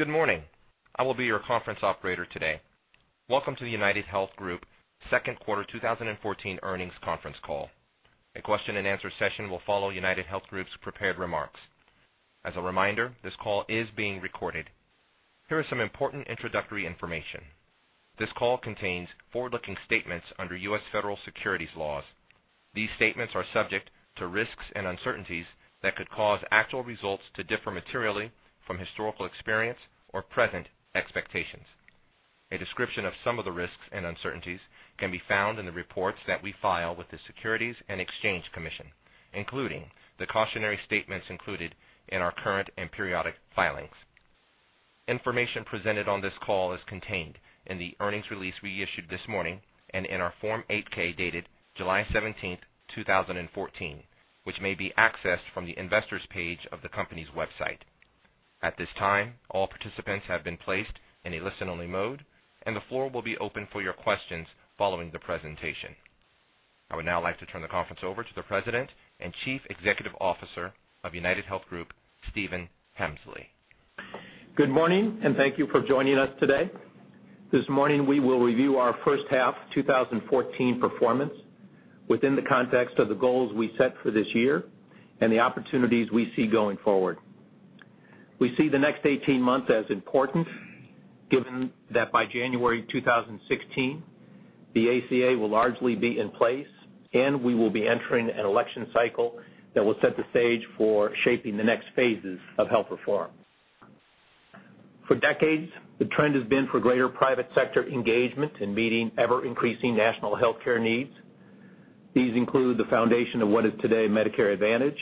Good morning. I will be your conference operator today. Welcome to the UnitedHealth Group second quarter 2014 earnings conference call. A question and answer session will follow UnitedHealth Group's prepared remarks. As a reminder, this call is being recorded. Here are some important introductory information. This call contains forward-looking statements under U.S. federal securities laws. These statements are subject to risks and uncertainties that could cause actual results to differ materially from historical experience or present expectations. A description of some of the risks and uncertainties can be found in the reports that we file with the Securities and Exchange Commission, including the cautionary statements included in our current and periodic filings. Information presented on this call is contained in the earnings release we issued this morning and in our Form 8-K, dated July 17, 2014, which may be accessed from the investors page of the company's website. At this time, all participants have been placed in a listen-only mode. The floor will be open for your questions following the presentation. I would now like to turn the conference over to the President and Chief Executive Officer of UnitedHealth Group, Stephen Hemsley. Good morning. Thank you for joining us today. This morning, we will review our first half 2014 performance within the context of the goals we set for this year and the opportunities we see going forward. We see the next 18 months as important, given that by January 2016, the ACA will largely be in place. We will be entering an election cycle that will set the stage for shaping the next phases of health reform. For decades, the trend has been for greater private sector engagement in meeting ever-increasing national healthcare needs. These include the foundation of what is today Medicare Advantage,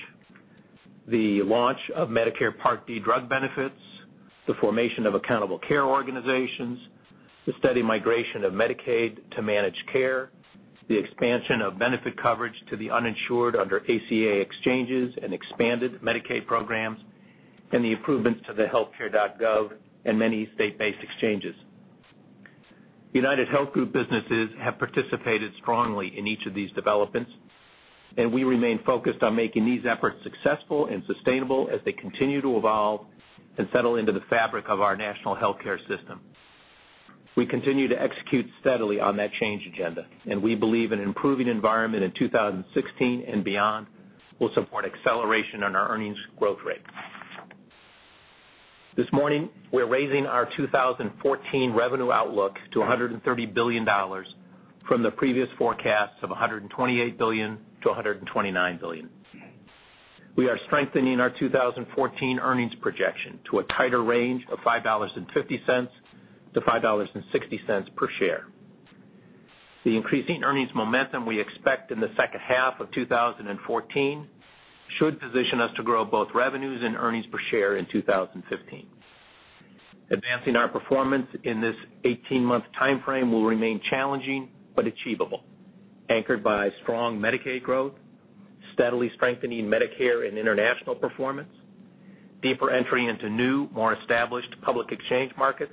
the launch of Medicare Part D drug benefits, the formation of accountable care organizations, the steady migration of Medicaid to managed care, the expansion of benefit coverage to the uninsured under ACA exchanges and expanded Medicaid programs, and the improvements to the healthcare.gov and many state-based exchanges. UnitedHealth Group businesses have participated strongly in each of these developments. We remain focused on making these efforts successful and sustainable as they continue to evolve and settle into the fabric of our national healthcare system. We continue to execute steadily on that change agenda. We believe an improving environment in 2016 and beyond will support acceleration on our earnings growth rate. This morning, we're raising our 2014 revenue outlook to $130 billion from the previous forecast of $128 billion-$129 billion. We are strengthening our 2014 earnings projection to a tighter range of $5.50 to $5.60 per share. The increasing earnings momentum we expect in the second half of 2014 should position us to grow both revenues and earnings per share in 2015. Advancing our performance in this 18-month timeframe will remain challenging but achievable, anchored by strong Medicaid growth, steadily strengthening Medicare and international performance, deeper entry into new, more established public exchange markets,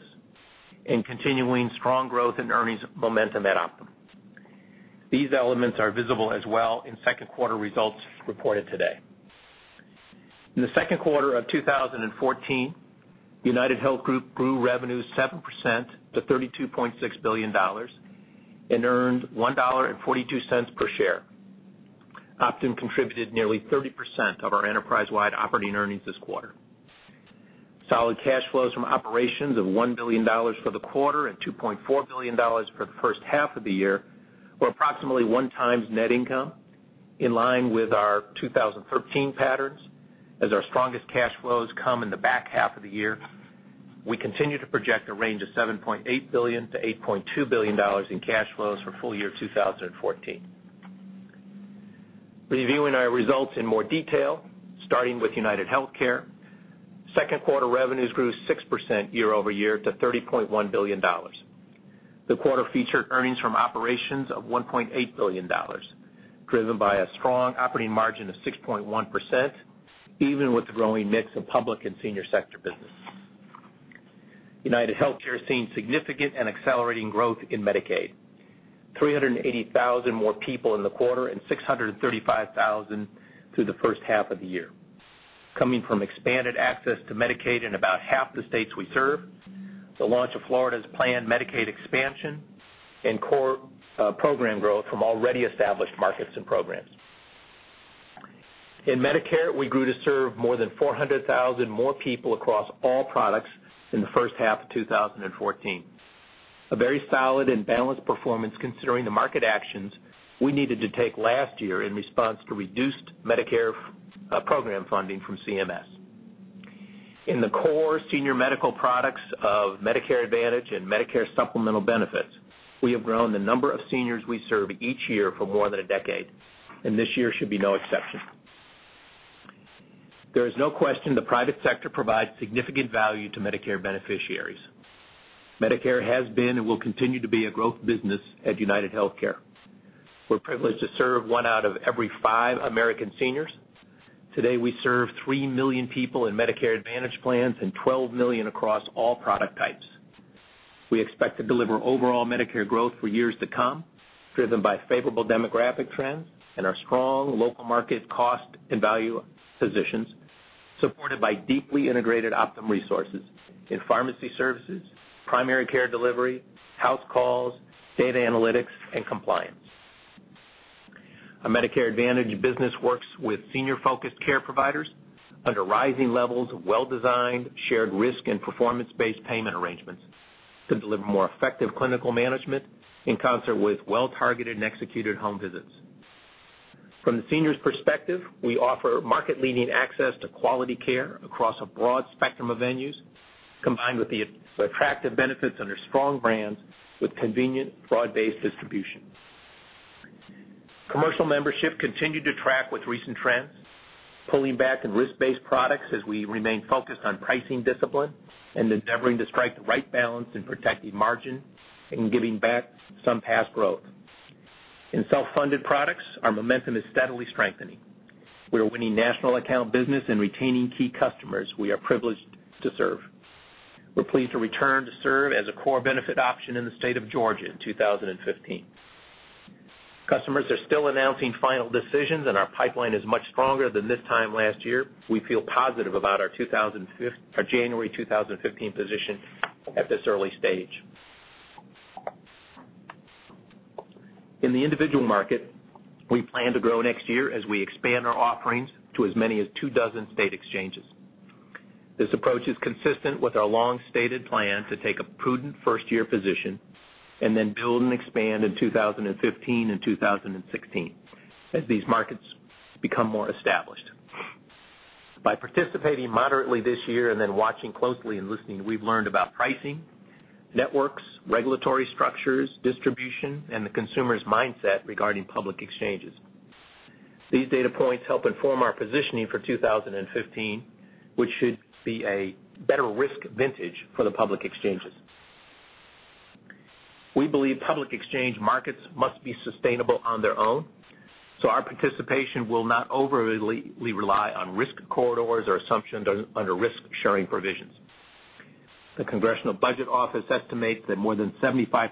and continuing strong growth in earnings momentum at Optum. These elements are visible as well in second quarter results reported today. In the second quarter of 2014, UnitedHealth Group grew revenues 7% to $32.6 billion and earned $1.42 per share. Optum contributed nearly 30% of our enterprise-wide operating earnings this quarter. Solid cash flows from operations of $1 billion for the quarter and $2.4 billion for the first half of the year were approximately one times net income, in line with our 2013 patterns, as our strongest cash flows come in the back half of the year. We continue to project a range of $7.8 billion to $8.2 billion in cash flows for full year 2014. Reviewing our results in more detail, starting with UnitedHealthcare, second quarter revenues grew 6% year-over-year to $30.1 billion. The quarter featured earnings from operations of $1.8 billion, driven by a strong operating margin of 6.1%, even with the growing mix of public and senior sector business. UnitedHealthcare seen significant and accelerating growth in Medicaid, 380,000 more people in the quarter and 635,000 through the first half of the year, coming from expanded access to Medicaid in about half the states we serve, the launch of Florida's planned Medicaid expansion, and core program growth from already established markets and programs. In Medicare, we grew to serve more than 400,000 more people across all products in the first half of 2014. A very solid and balanced performance considering the market actions we needed to take last year in response to reduced Medicare program funding from CMS. In the core senior medical products of Medicare Advantage and Medicare supplemental benefits, we have grown the number of seniors we serve each year for more than a decade, and this year should be no exception. There is no question the private sector provides significant value to Medicare beneficiaries. Medicare has been and will continue to be a growth business at UnitedHealthcare. We're privileged to serve one out of every five American seniors. Today, we serve three million people in Medicare Advantage plans and 12 million across all product types. We expect to deliver overall Medicare growth for years to come, driven by favorable demographic trends and our strong local market cost and value positions, supported by deeply integrated Optum resources in pharmacy services, primary care delivery, house calls, data analytics, and compliance. Our Medicare Advantage business works with senior-focused care providers under rising levels of well-designed shared risk and performance-based payment arrangements to deliver more effective clinical management in concert with well-targeted and executed home visits. From the senior's perspective, we offer market-leading access to quality care across a broad spectrum of venues, combined with the attractive benefits under strong brands with convenient broad-based distribution. Commercial membership continued to track with recent trends, pulling back in risk-based products as we remain focused on pricing discipline and endeavoring to strike the right balance in protecting margin and giving back some past growth. In self-funded products, our momentum is steadily strengthening. We are winning national account business and retaining key customers we are privileged to serve. We're pleased to return to serve as a core benefit option in the state of Georgia in 2015. Customers are still announcing final decisions, and our pipeline is much stronger than this time last year. We feel positive about our January 2015 position at this early stage. In the individual market, we plan to grow next year as we expand our offerings to as many as two dozen state exchanges. This approach is consistent with our long-stated plan to take a prudent first-year position and then build and expand in 2015 and 2016 as these markets become more established. By participating moderately this year and then watching closely and listening, we've learned about pricing, networks, regulatory structures, distribution, and the consumer's mindset regarding public exchanges. These data points help inform our positioning for 2015, which should see a better risk vintage for the public exchanges. We believe public exchange markets must be sustainable on their own, so our participation will not overly rely on risk corridors or assumptions under risk-sharing provisions. The Congressional Budget Office estimates that more than 75%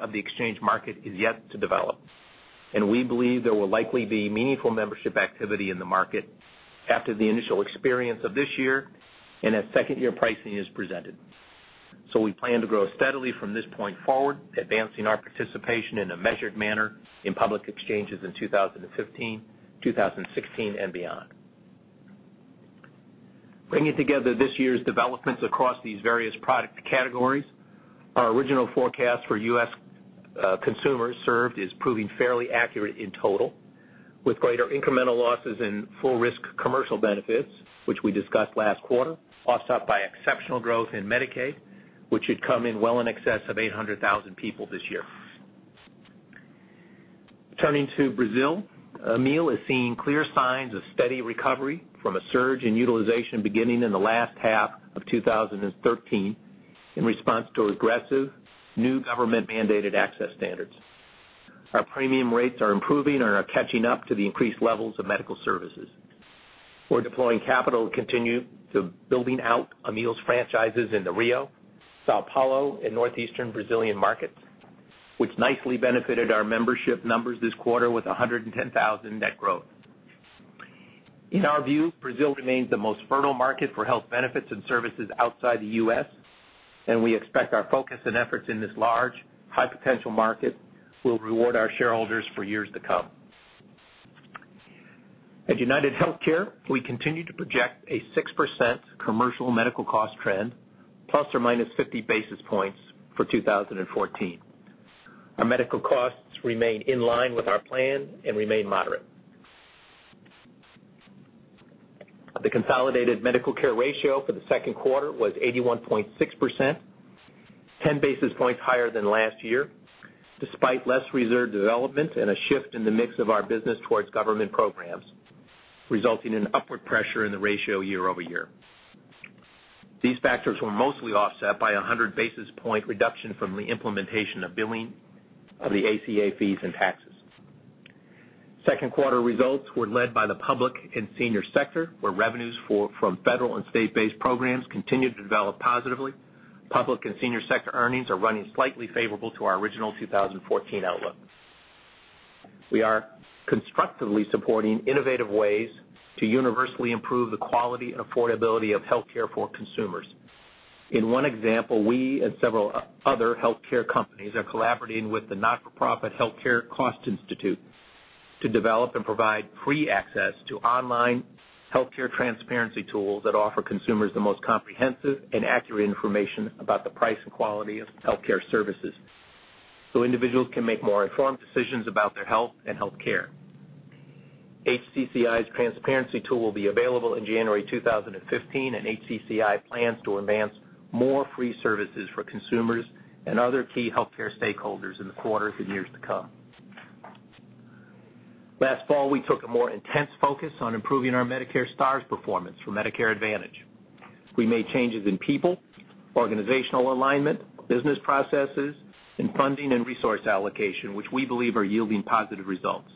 of the exchange market is yet to develop, and we believe there will likely be meaningful membership activity in the market after the initial experience of this year and as second-year pricing is presented. We plan to grow steadily from this point forward, advancing our participation in a measured manner in public exchanges in 2015, 2016, and beyond. Bringing together this year's developments across these various product categories, our original forecast for U.S. consumers served is proving fairly accurate in total, with greater incremental losses in full risk commercial benefits, which we discussed last quarter, offset by exceptional growth in Medicaid, which should come in well in excess of 800,000 people this year. Turning to Brazil, Amil is seeing clear signs of steady recovery from a surge in utilization beginning in the last half of 2013 in response to aggressive new government-mandated access standards. Our premium rates are improving and are catching up to the increased levels of medical services. We're deploying capital to building out Amil's franchises in the Rio, São Paulo, and northeastern Brazilian markets, which nicely benefited our membership numbers this quarter with 110,000 net growth. In our view, Brazil remains the most fertile market for health benefits and services outside the U.S., and we expect our focus and efforts in this large, high-potential market will reward our shareholders for years to come. At UnitedHealthcare, we continue to project a 6% commercial medical cost trend, plus or minus 50 basis points for 2014. Our medical costs remain in line with our plan and remain moderate. The consolidated medical care ratio for the second quarter was 81.6%, 10 basis points higher than last year, despite less reserve development and a shift in the mix of our business towards government programs, resulting in upward pressure in the ratio year-over-year. These factors were mostly offset by a 100 basis point reduction from the implementation of billing of the ACA fees and taxes. Second quarter results were led by the public and senior sector, where revenues from federal and state-based programs continued to develop positively. Public and senior sector earnings are running slightly favorable to our original 2014 outlook. We are constructively supporting innovative ways to universally improve the quality and affordability of healthcare for consumers. In one example, we and several other healthcare companies are collaborating with the not-for-profit Health Care Cost Institute to develop and provide free access to online healthcare transparency tools that offer consumers the most comprehensive and accurate information about the price and quality of healthcare services so individuals can make more informed decisions about their health and healthcare. HCCI's transparency tool will be available in January 2015. HCCI plans to advance more free services for consumers and other key healthcare stakeholders in the quarters and years to come. Last fall, we took a more intense focus on improving our Medicare stars performance for Medicare Advantage. We made changes in people, organizational alignment, business processes, and funding and resource allocation, which we believe are yielding positive results.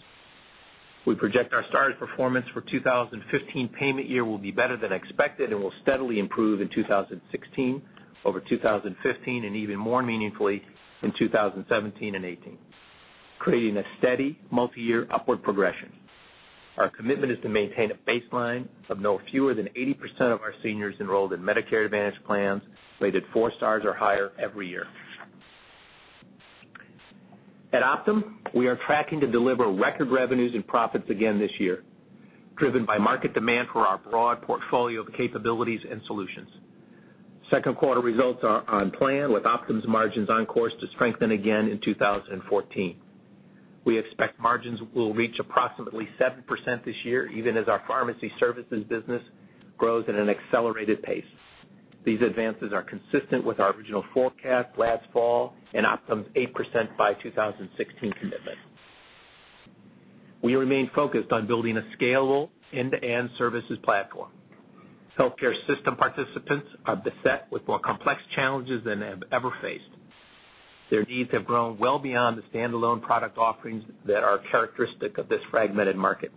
We project our star performance for 2015 payment year will be better than expected and will steadily improve in 2016, over 2015, and even more meaningfully in 2017 and 2018, creating a steady multi-year upward progression. Our commitment is to maintain a baseline of no fewer than 80% of our seniors enrolled in Medicare Advantage plans rated 4 stars or higher every year. At Optum, we are tracking to deliver record revenues and profits again this year, driven by market demand for our broad portfolio of capabilities and solutions. Second quarter results are on plan with Optum's margins on course to strengthen again in 2014. We expect margins will reach approximately 7% this year, even as our pharmacy services business grows at an accelerated pace. These advances are consistent with our original forecast last fall and Optum's 8% by 2016 commitment. We remain focused on building a scalable end-to-end services platform. Healthcare system participants are beset with more complex challenges than they have ever faced. Their needs have grown well beyond the standalone product offerings that are characteristic of this fragmented market.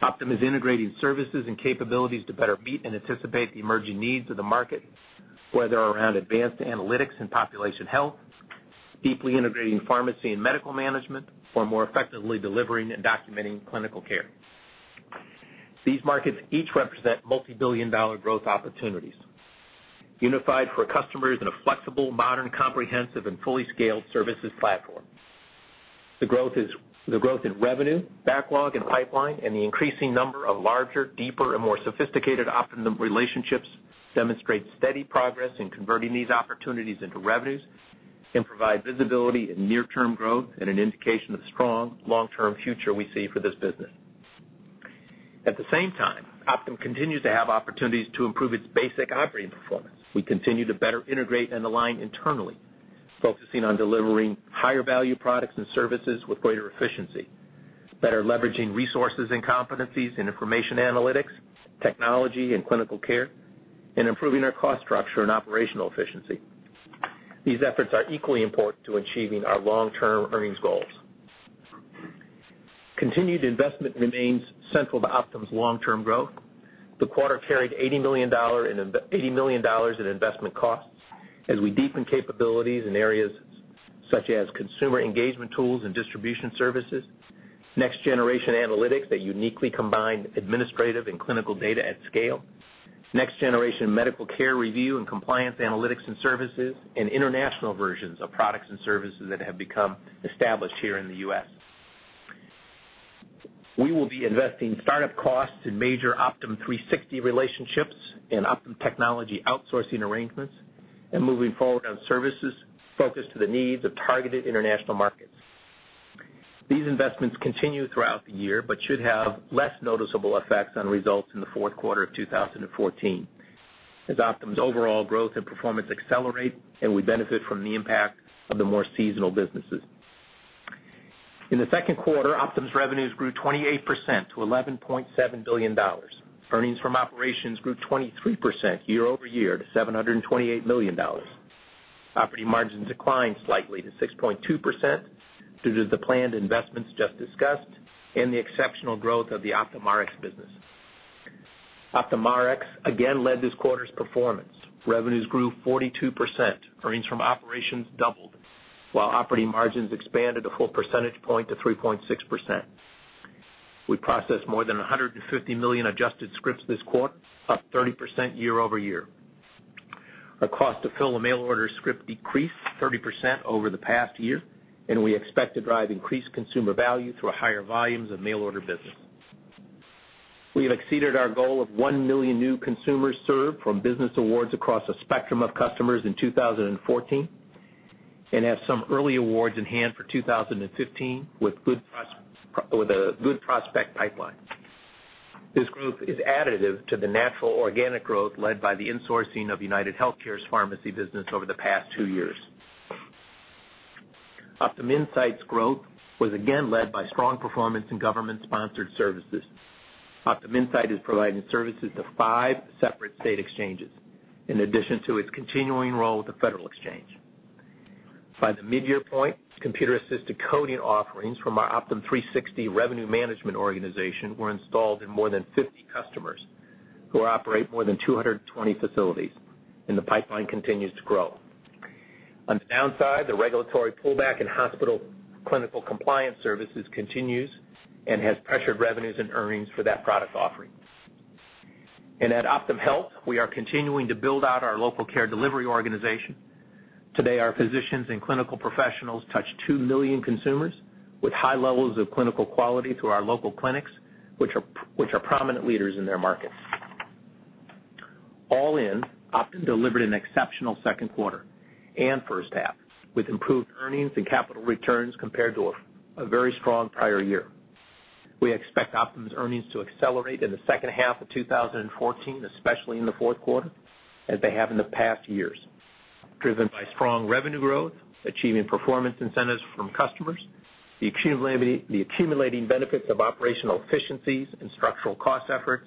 Optum is integrating services and capabilities to better meet and anticipate the emerging needs of the market, whether around advanced analytics and population health, deeply integrating pharmacy and medical management, or more effectively delivering and documenting clinical care. These markets each represent multi-billion-dollar growth opportunities, unified for customers in a flexible, modern, comprehensive, and fully scaled services platform. The growth in revenue, backlog, and pipeline, and the increasing number of larger, deeper, and more sophisticated Optum relationships demonstrate steady progress in converting these opportunities into revenues and provide visibility in near-term growth and an indication of the strong long-term future we see for this business. At the same time, Optum continues to have opportunities to improve its basic operating performance. We continue to better integrate and align internally, focusing on delivering higher value products and services with greater efficiency, better leveraging resources and competencies in information analytics, technology, and clinical care, and improving our cost structure and operational efficiency. These efforts are equally important to achieving our long-term earnings goals. Continued investment remains central to Optum's long-term growth. The quarter carried $80 million in investment costs as we deepen capabilities in areas such as consumer engagement tools and distribution services, next generation analytics that uniquely combine administrative and clinical data at scale, next generation medical care review and compliance analytics and services, and international versions of products and services that have become established here in the U.S. We will be investing startup costs in major Optum360 relationships and Optum technology outsourcing arrangements and moving forward on services focused to the needs of targeted international markets. These investments continue throughout the year should have less noticeable effects on results in the fourth quarter of 2014 as Optum's overall growth and performance accelerate. We benefit from the impact of the more seasonal businesses. In the second quarter, Optum's revenues grew 28% to $11.7 billion. Earnings from operations grew 23% year-over-year to $728 million. Operating margins declined slightly to 6.2% due to the planned investments just discussed and the exceptional growth of the Optum Rx business. Optum Rx again led this quarter's performance. Revenues grew 42%. Earnings from operations doubled, while operating margins expanded a full percentage point to 3.6%. We processed more than 150 million adjusted scripts this quarter, up 30% year-over-year. Our cost to fill a mail order script decreased 30% over the past year, and we expect to drive increased consumer value through higher volumes of mail order business. We have exceeded our goal of 1 million new consumers served from business awards across a spectrum of customers in 2014 and have some early awards in hand for 2015 with a good prospect pipeline. This group is additive to the natural organic growth led by the insourcing of UnitedHealthcare's pharmacy business over the past two years. Optum Insight's growth was again led by strong performance in government-sponsored services. Optum Insight is providing services to five separate state exchanges, in addition to its continuing role with the federal exchange. By the midyear point, computer-assisted coding offerings from our Optum360 revenue management organization were installed in more than 50 customers who operate more than 220 facilities. The pipeline continues to grow. On the downside, the regulatory pullback in hospital clinical compliance services continues and has pressured revenues and earnings for that product offering. At Optum Health, we are continuing to build out our local care delivery organization. Today, our physicians and clinical professionals touch 2 million consumers with high levels of clinical quality through our local clinics, which are prominent leaders in their markets. All in, Optum delivered an exceptional second quarter and first half, with improved earnings and capital returns compared to a very strong prior year. We expect Optum's earnings to accelerate in the second half of 2014, especially in the fourth quarter, as they have in the past years, driven by strong revenue growth, achieving performance incentives from customers, the accumulating benefits of operational efficiencies and structural cost efforts,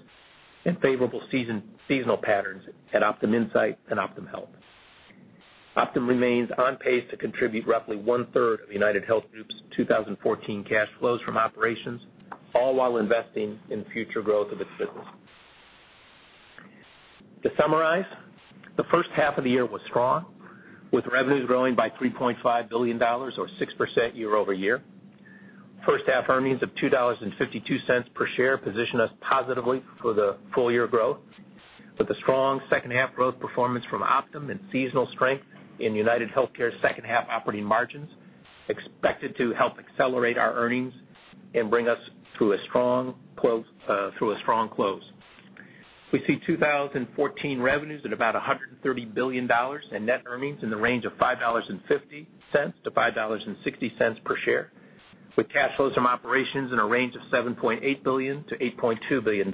and favorable seasonal patterns at Optum Insight and Optum Health. Optum remains on pace to contribute roughly one-third of UnitedHealth Group's 2014 cash flows from operations, all while investing in future growth of its business. To summarize, the first half of the year was strong, with revenues growing by $3.5 billion, or 6% year-over-year. First half earnings of $2.52 per share position us positively for the full year growth, with the strong second half growth performance from Optum and seasonal strength in UnitedHealthcare's second half operating margins expected to help accelerate our earnings and bring us through a strong close. We see 2014 revenues at about $130 billion and net earnings in the range of $5.50 to $5.60 per share, with cash flows from operations in a range of $7.8 billion to $8.2 billion.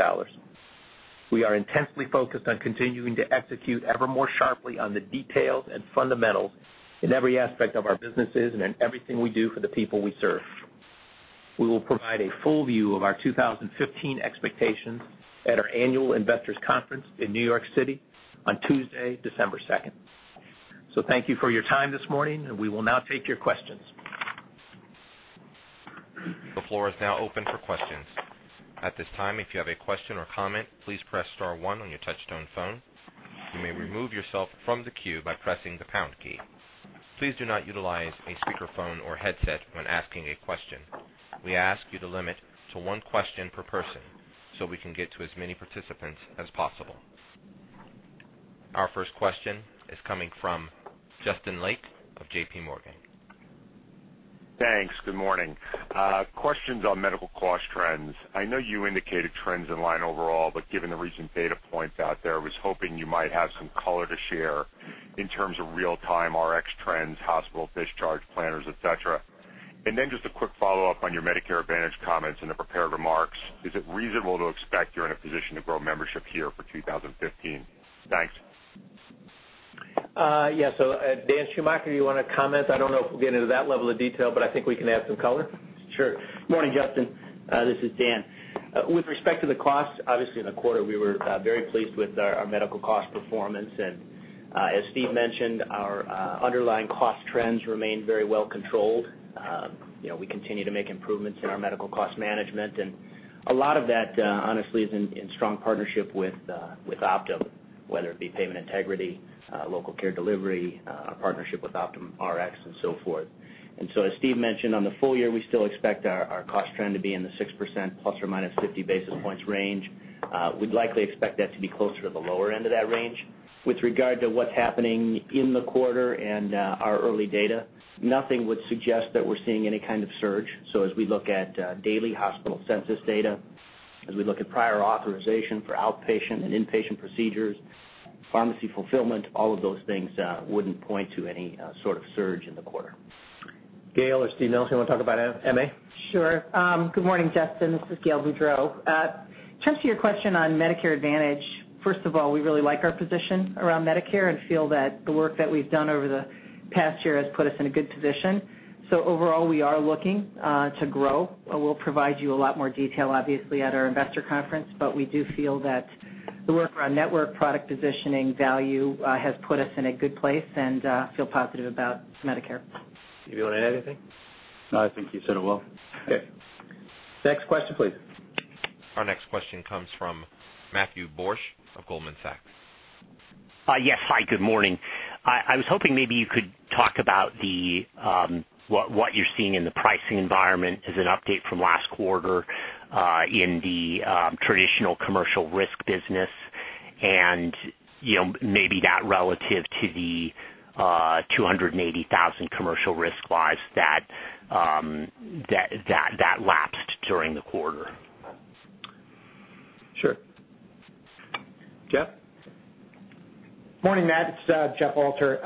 We are intensely focused on continuing to execute ever more sharply on the details and fundamentals in every aspect of our businesses and in everything we do for the people we serve. We will provide a full view of our 2015 expectations at our annual investors conference in New York City on Tuesday, December 2nd. Thank you for your time this morning, and we will now take your questions. The floor is now open for questions. At this time, if you have a question or comment, please press star one on your touch-tone phone. You may remove yourself from the queue by pressing the pound key. Please do not utilize a speakerphone or headset when asking a question. We ask you to limit to one question per person so we can get to as many participants as possible. Our first question is coming from Justin Lake of J.P. Morgan. Thanks. Good morning. Questions on medical cost trends. I know you indicated trends in line overall, but given the recent data points out there, I was hoping you might have some color to share in terms of real-time Rx trends, hospital discharge planners, et cetera. Just a quick follow-up on your Medicare Advantage comments in the prepared remarks. Is it reasonable to expect you're in a position to grow membership here for 2015? Thanks. Yes, Dan Schumacher, you want to comment? I don't know if we'll get into that level of detail, but I think we can add some color. Sure. Morning, Justin. This is Dan. With respect to the cost, obviously in the quarter, we were very pleased with our medical cost performance. As Steve mentioned, our underlying cost trends remain very well controlled. We continue to make improvements in our medical cost management, a lot of that, honestly, is in strong partnership with Optum, whether it be payment integrity, local care delivery, our partnership with Optum Rx, and so forth. So as Steve mentioned, on the full year, we still expect our cost trend to be in the 6% ±50 basis points range. We'd likely expect that to be closer to the lower end of that range. With regard to what's happening in the quarter and our early data, nothing would suggest that we're seeing any kind of surge. As we look at daily hospital census data, as we look at prior authorization for outpatient and inpatient procedures, pharmacy fulfillment, all of those things wouldn't point to any sort of surge in the quarter. Gail or Steve Nelson, you want to talk about MA? Sure. Good morning, Justin. This is Gail Boudreaux. To answer your question on Medicare Advantage, first of all, we really like our position around Medicare and feel that the work that we've done over the past year has put us in a good position. Overall, we are looking to grow. We'll provide you a lot more detail, obviously, at our Investor Day, but we do feel that the work around network product positioning value has put us in a good place and feel positive about Medicare. Steve, you want to add anything? No, I think you said it well. Okay. Next question, please. Our next question comes from Matthew Borsch of Goldman Sachs. Yes. Hi, good morning. I was hoping maybe you could talk about what you're seeing in the pricing environment as an update from last quarter in the traditional commercial risk business and maybe that relative to the $280,000 commercial risk lives that lapsed during the quarter. Sure. Jeff? Morning, Matt. It's Jeff Alter.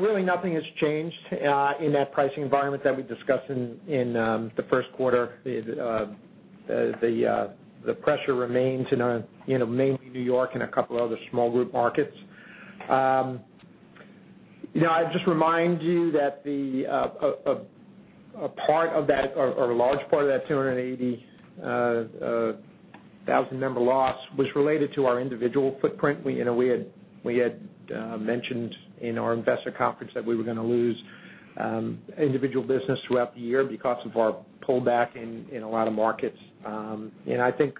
Really nothing has changed in that pricing environment that we discussed in the first quarter. The pressure remains in mainly New York and a couple other small group markets. I'd just remind you that a large part of that $280,000 member loss was related to our individual footprint. We had mentioned in our investor conference that we were going to lose individual business throughout the year because of our pullback in a lot of markets. I think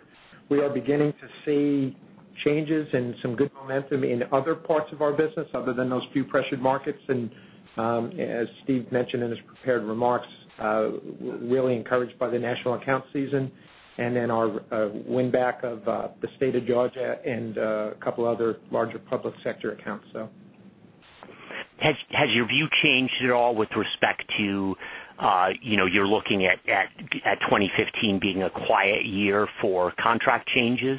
we are beginning to see changes and some good momentum in other parts of our business other than those few pressured markets. As Steve mentioned in his prepared remarks, we're really encouraged by the national account season and then our win-back of the state of Georgia and a couple other larger public sector accounts, so. Has your view changed at all with respect to you're looking at 2015 being a quiet year for contract changes?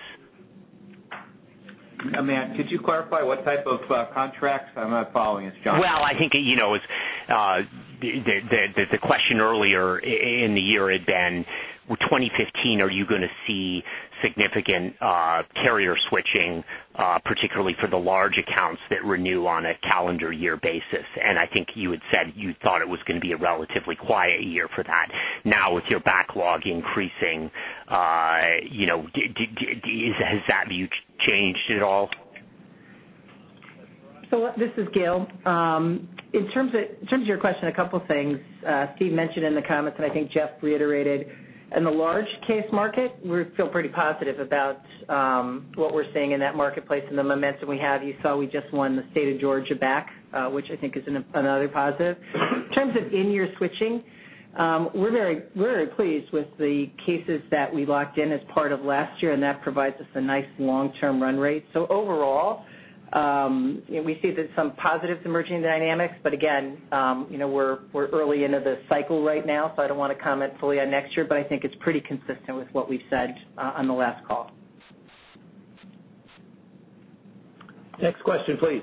Matt, could you clarify what type of contracts? I'm not following this, Dan. I think, the question earlier in the year had been, with 2015, are you going to see significant carrier switching, particularly for the large accounts that renew on a calendar year basis? I think you had said you thought it was going to be a relatively quiet year for that. Now with your backlog increasing, has that view changed at all? This is Gail. In terms of your question, a couple things. Steve mentioned in the comments, and I think Jeff reiterated, in the large case market, we feel pretty positive about what we're seeing in that marketplace and the momentum we have. You saw we just won the state of Georgia back, which I think is another positive. In terms of in-year switching, we're very pleased with the cases that we locked in as part of last year, and that provides us a nice long-term run rate. Overall, we see that some positives emerging in the dynamics. Again, we're early into the cycle right now, so I don't want to comment fully on next year, but I think it's pretty consistent with what we've said on the last call. Next question, please.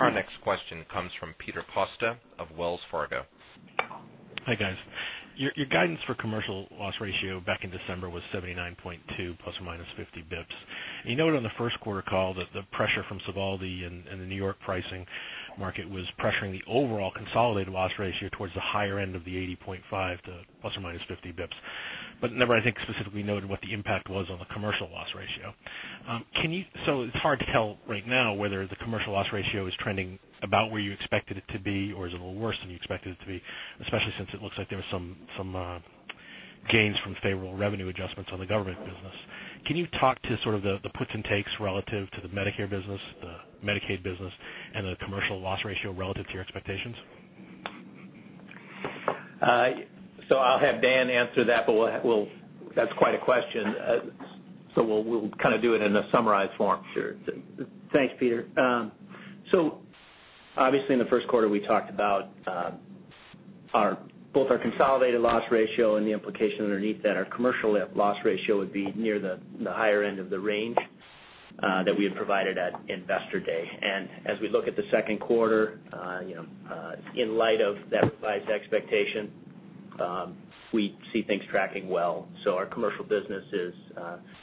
Our next question comes from Peter Costa of Wells Fargo. Hi, guys. Your guidance for commercial loss ratio back in December was 79.2% ± 50 basis points. You noted on the first quarter call that the pressure from SOVALDI and the N.Y. pricing market was pressuring the overall consolidated loss ratio towards the higher end of the 80.5% ± 50 basis points. Never, I think, specifically noted what the impact was on the commercial loss ratio. It's hard to tell right now whether the commercial loss ratio is trending about where you expected it to be, or is it a little worse than you expected it to be, especially since it looks like there was some gains from favorable revenue adjustments on the government business. Can you talk to sort of the puts and takes relative to the Medicare business, the Medicaid business, and the commercial loss ratio relative to your expectations? I'll have Dan answer that, but that's quite a question, so we'll kind of do it in a summarized form. Sure. Thanks, Peter. Obviously in the first quarter, we talked about both our consolidated loss ratio and the implication underneath that our commercial loss ratio would be near the higher end of the range that we had provided at Investor Day. As we look at the second quarter, in light of that revised expectation, we see things tracking well. Our commercial business is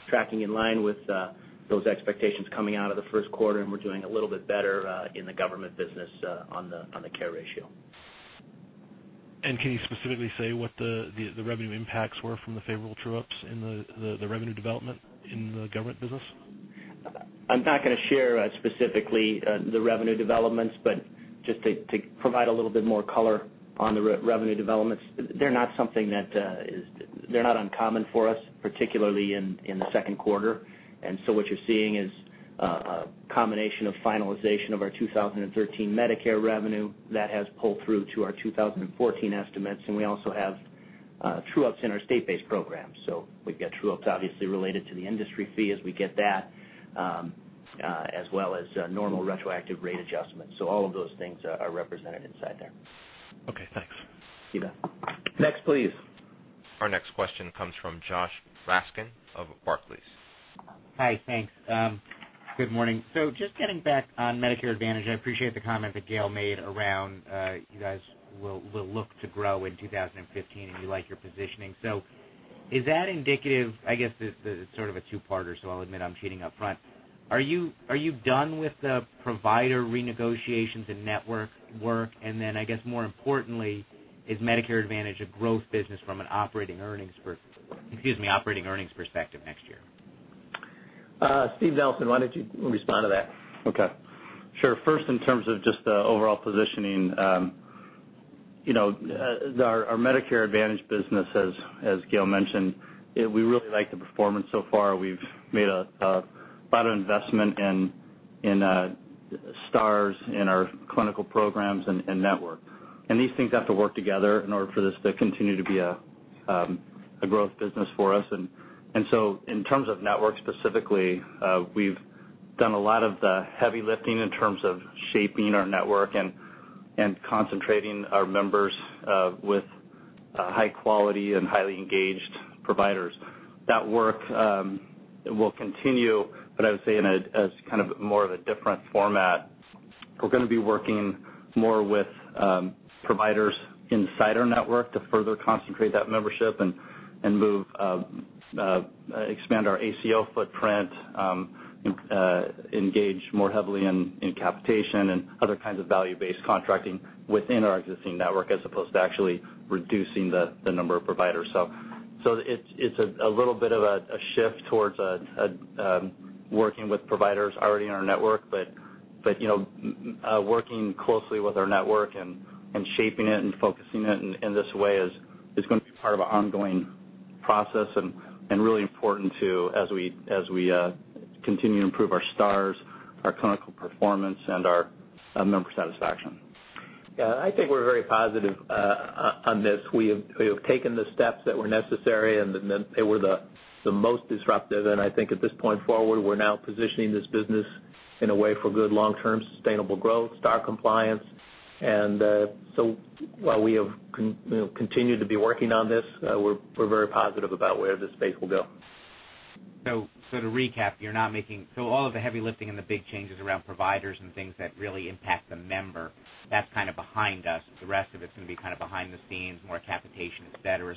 tracking in line with those expectations coming out of the first quarter, and we're doing a little bit better in the government business on the care ratio. Can you specifically say what the revenue impacts were from the favorable true-ups in the revenue development in the government business? I'm not going to share specifically the revenue developments, just to provide a little bit more color on the revenue developments, they're not uncommon for us, particularly in the second quarter. What you're seeing is a combination of finalization of our 2013 Medicare revenue that has pulled through to our 2014 estimates, we also have true-ups in our state-based programs. We've got true-ups obviously related to the industry fee as we get that, as well as normal retroactive rate adjustments. All of those things are represented inside there. Okay, thanks. See that. Next, please. Our next question comes from Josh Raskin of Barclays. Hi. Thanks. Good morning. Just getting back on Medicare Advantage, I appreciate the comment that Gail made around you guys will look to grow in 2015, and you like your positioning. Is that indicative, I guess this is sort of a two-parter, so I'll admit I'm cheating up front. Are you done with the provider renegotiations and network work? And then I guess more importantly, is Medicare Advantage a growth business from an operating earnings perspective next year? Steve Nelson, why don't you respond to that? Okay. Sure. First, in terms of just the overall positioning, our Medicare Advantage business, as Gail mentioned, we really like the performance so far. We've made a lot of investment in Stars in our clinical programs and network. These things have to work together in order for this to continue to be a growth business for us. In terms of network specifically, we've done a lot of the heavy lifting in terms of shaping our network and concentrating our members with high quality and highly engaged providers. That work will continue, but I would say in a kind of more of a different format. We're going to be working more with providers inside our network to further concentrate that membership and expand our ACO footprint, engage more heavily in capitation and other kinds of value-based contracting within our existing network, as opposed to actually reducing the number of providers. It's a little bit of a shift towards working with providers already in our network, but working closely with our network and shaping it and focusing it in this way is going to be part of an ongoing process and really important too, as we continue to improve our Stars, our clinical performance, and our member satisfaction. Yeah, I think we're very positive on this. We have taken the steps that were necessary, they were the most disruptive, I think at this point forward, we're now positioning this business in a way for good long-term sustainable growth, Star compliance. While we have continued to be working on this, we're very positive about where this space will go. To recap, all of the heavy lifting and the big changes around providers and things that really impact the member, that's kind of behind us. The rest of it's going to be kind of behind the scenes, more capitation, et cetera.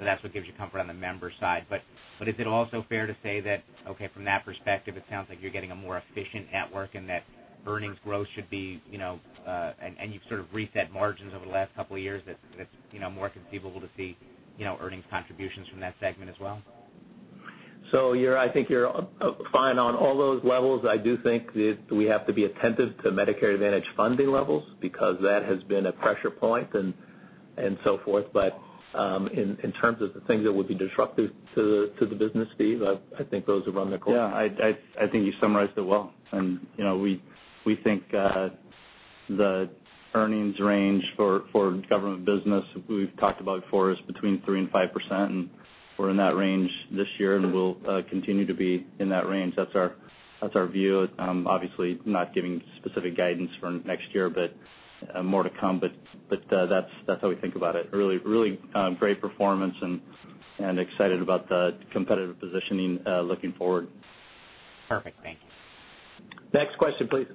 That's what gives you comfort on the member side. Is it also fair to say that, okay, from that perspective, it sounds like you're getting a more efficient network and that earnings growth should be, and you've sort of reset margins over the last couple of years that's more conceivable to see earnings contributions from that segment as well? I think you're fine on all those levels. I do think that we have to be attentive to Medicare Advantage funding levels because that has been a pressure point and so forth. In terms of the things that would be disruptive to the business fee, I think those are on the course. Yeah. I think you summarized it well. We think the earnings range for government business, we've talked about before, is between 3% and 5%, and we're in that range this year, and we'll continue to be in that range. That's our view. Obviously, not giving specific guidance for next year, but more to come. That's how we think about it. Really great performance and excited about the competitive positioning looking forward. Perfect. Thank you. Next question, please.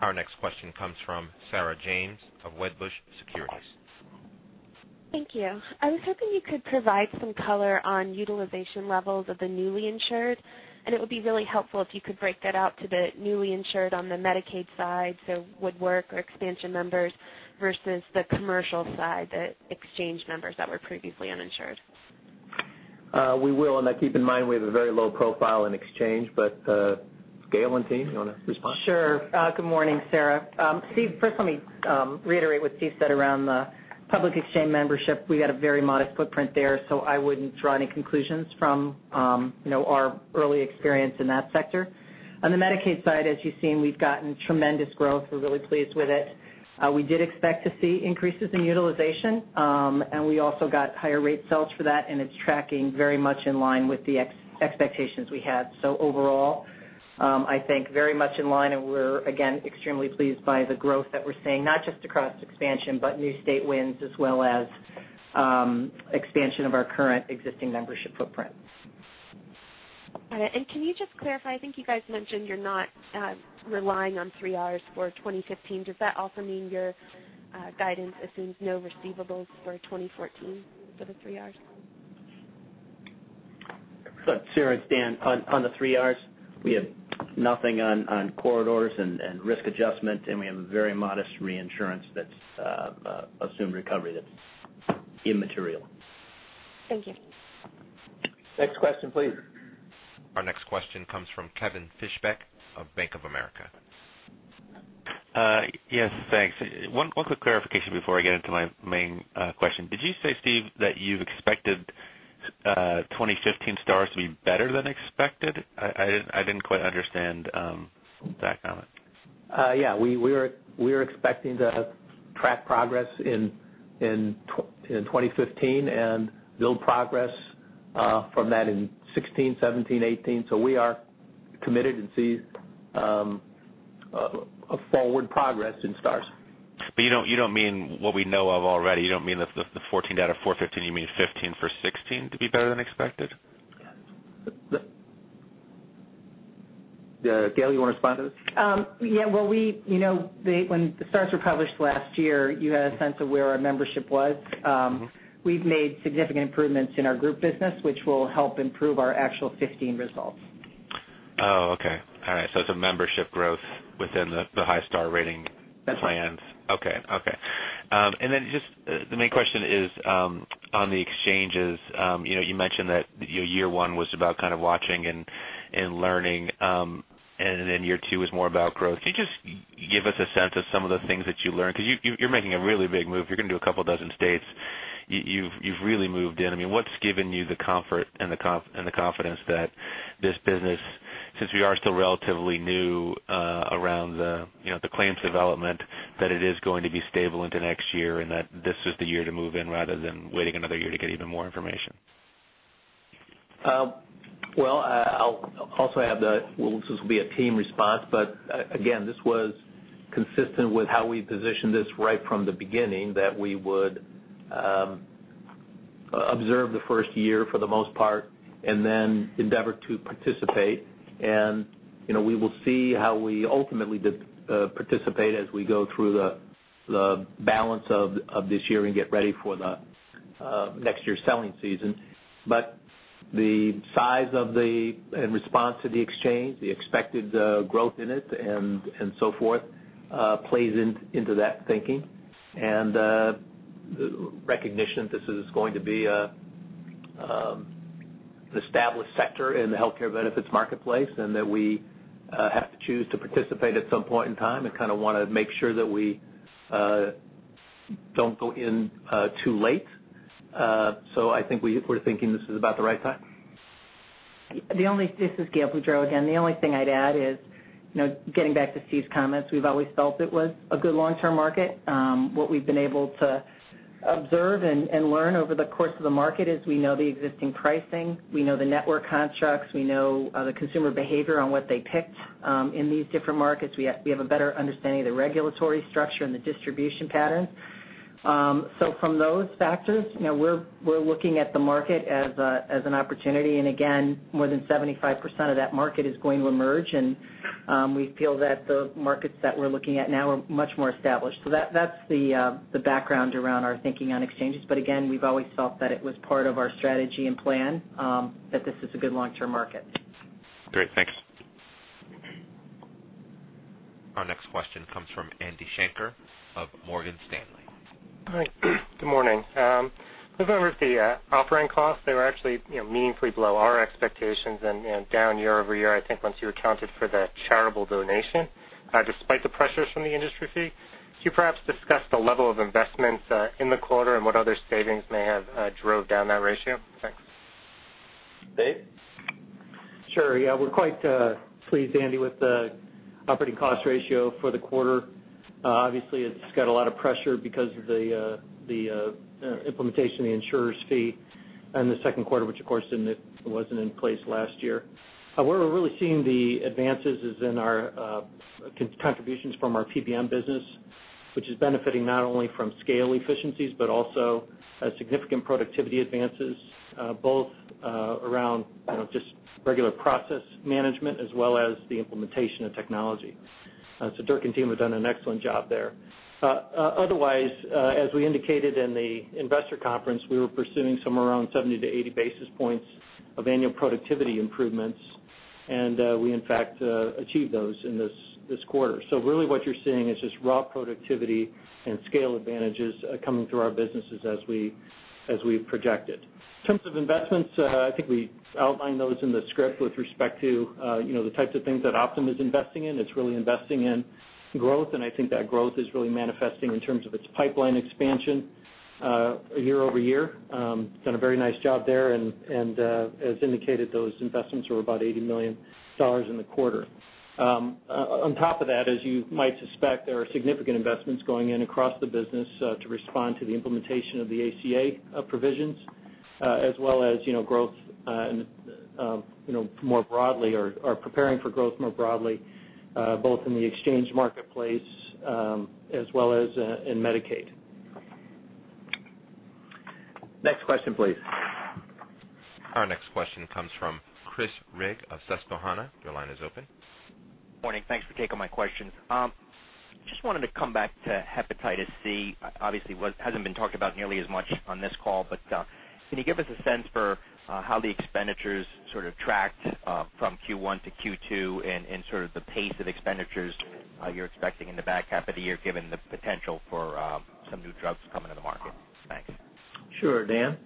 Our next question comes from Sarah James of Wedbush Securities. Thank you. I was hoping you could provide some color on utilization levels of the newly insured. It would be really helpful if you could break that out to the newly insured on the Medicaid side, so woodwork or expansion members, versus the commercial side, the exchange members that were previously uninsured. We will. Keep in mind, we have a very low profile in exchange. Gail and team, you want to respond? Sure. Good morning, Sarah. Steve, first let me reiterate what Steve said around the public exchange membership. We had a very modest footprint there. I wouldn't draw any conclusions from our early experience in that sector. On the Medicaid side, as you've seen, we've gotten tremendous growth. We're really pleased with it. We did expect to see increases in utilization. We also got higher rate sales for that. It's tracking very much in line with the expectations we had. Overall, I think very much in line. We're again, extremely pleased by the growth that we're seeing, not just across expansion, new state wins, as well as expansion of our current existing membership footprint. All right. Can you just clarify, I think you guys mentioned you're not relying on 3Rs for 2015. Does that also mean your guidance assumes no receivables for 2014 for the 3Rs? Sarah, it's Dan. On the 3Rs, we have nothing on corridors and risk adjustment, and we have a very modest reinsurance that's assumed recovery that's immaterial. Thank you. Next question please. Our next question comes from Kevin Fischbeck of Bank of America. Yes, thanks. One quick clarification before I get into my main question. Did you say, Steve, that you've expected 2015 Stars to be better than expected? I didn't quite understand that comment. Yeah. We're expecting to track progress in 2015 and build progress from that in 2016, 2017, 2018. We are committed to see a forward progress in Stars. You don't mean what we know of already. You don't mean the 14 out of 415, you mean 15 for 2016 to be better than expected? Gail, you want to respond to this? Yeah. When the stars were published last year, you had a sense of where our membership was. We've made significant improvements in our group business, which will help improve our actual 2015 results. Oh, okay. All right. It's a membership growth within the high Star Rating plans. That's right. The main question is, on the exchanges, you mentioned that your year one was about kind of watching and learning, year two was more about growth. Can you just give us a sense of some of the things that you learned? Because you're making a really big move. You're going to do a couple dozen states. You've really moved in. What's given you the comfort and the confidence that this business, since we are still relatively new around the claims development, that it is going to be stable into next year and that this was the year to move in rather than waiting another year to get even more information? This will be a team response, but again, this was consistent with how we positioned this right from the beginning, that we would observe the first year for the most part endeavor to participate. We will see how we ultimately participate as we go through the balance of this year and get ready for the next year's selling season. The size of the, and response to the exchange, the expected growth in it, and so forth, plays into that thinking. The recognition that this is going to be an established sector in the healthcare benefits marketplace, and that we have to choose to participate at some point in time and kind of want to make sure that we don't go in too late. I think we're thinking this is about the right time. This is Gail Boudreaux again. The only thing I'd add is, getting back to Steve's comments, we've always felt it was a good long-term market. What we've been able to observe and learn over the course of the market is we know the existing pricing, we know the network constructs, we know the consumer behavior on what they picked in these different markets. We have a better understanding of the regulatory structure and the distribution patterns. From those factors, we're looking at the market as an opportunity, again, more than 75% of that market is going to emerge, and we feel that the markets that we're looking at now are much more established. That's the background around our thinking on exchanges. Again, we've always felt that it was part of our strategy and plan, that this is a good long-term market. Great. Thanks. Shanker of Morgan Stanley. Hi. Good morning. I was over at the operating costs. They were actually meaningfully below our expectations and down year-over-year, I think once you accounted for the charitable donation, despite the pressures from the industry fee. Could you perhaps discuss the level of investments in the quarter and what other savings may have drove down that ratio? Thanks. Dave? Sure. Yeah, we're quite pleased, Ravi, with the operating cost ratio for the quarter. Obviously, it's got a lot of pressure because of the implementation of the insurer's fee in the second quarter, which, of course, wasn't in place last year. Where we're really seeing the advances is in our contributions from our PBM business, which is benefiting not only from scale efficiencies, but also significant productivity advances, both around just regular process management as well as the implementation of technology. Dirk and team have done an excellent job there. Otherwise, as we indicated in the investor conference, we were pursuing somewhere around 70-80 basis points of annual productivity improvements, and we in fact achieved those in this quarter. Really what you're seeing is just raw productivity and scale advantages coming through our businesses as we projected. In terms of investments, I think we outlined those in the script with respect to the types of things that Optum is investing in. It's really investing in growth, and I think that growth is really manifesting in terms of its pipeline expansion year-over-year. Done a very nice job there, and as indicated, those investments were about $80 million in the quarter. On top of that, as you might suspect, there are significant investments going in across the business to respond to the implementation of the ACA provisions, as well as growth more broadly or are preparing for growth more broadly, both in the exchange marketplace, as well as in Medicaid. Next question, please. Our next question comes from Chris Rigg of Susquehanna. Your line is open. Morning. Thanks for taking my questions. Can you give us a sense for how the expenditures sort of tracked from Q1 to Q2 and sort of the pace of expenditures you're expecting in the back half of the year, given the potential for some new drugs coming to the market? Thanks. Sure. Dan?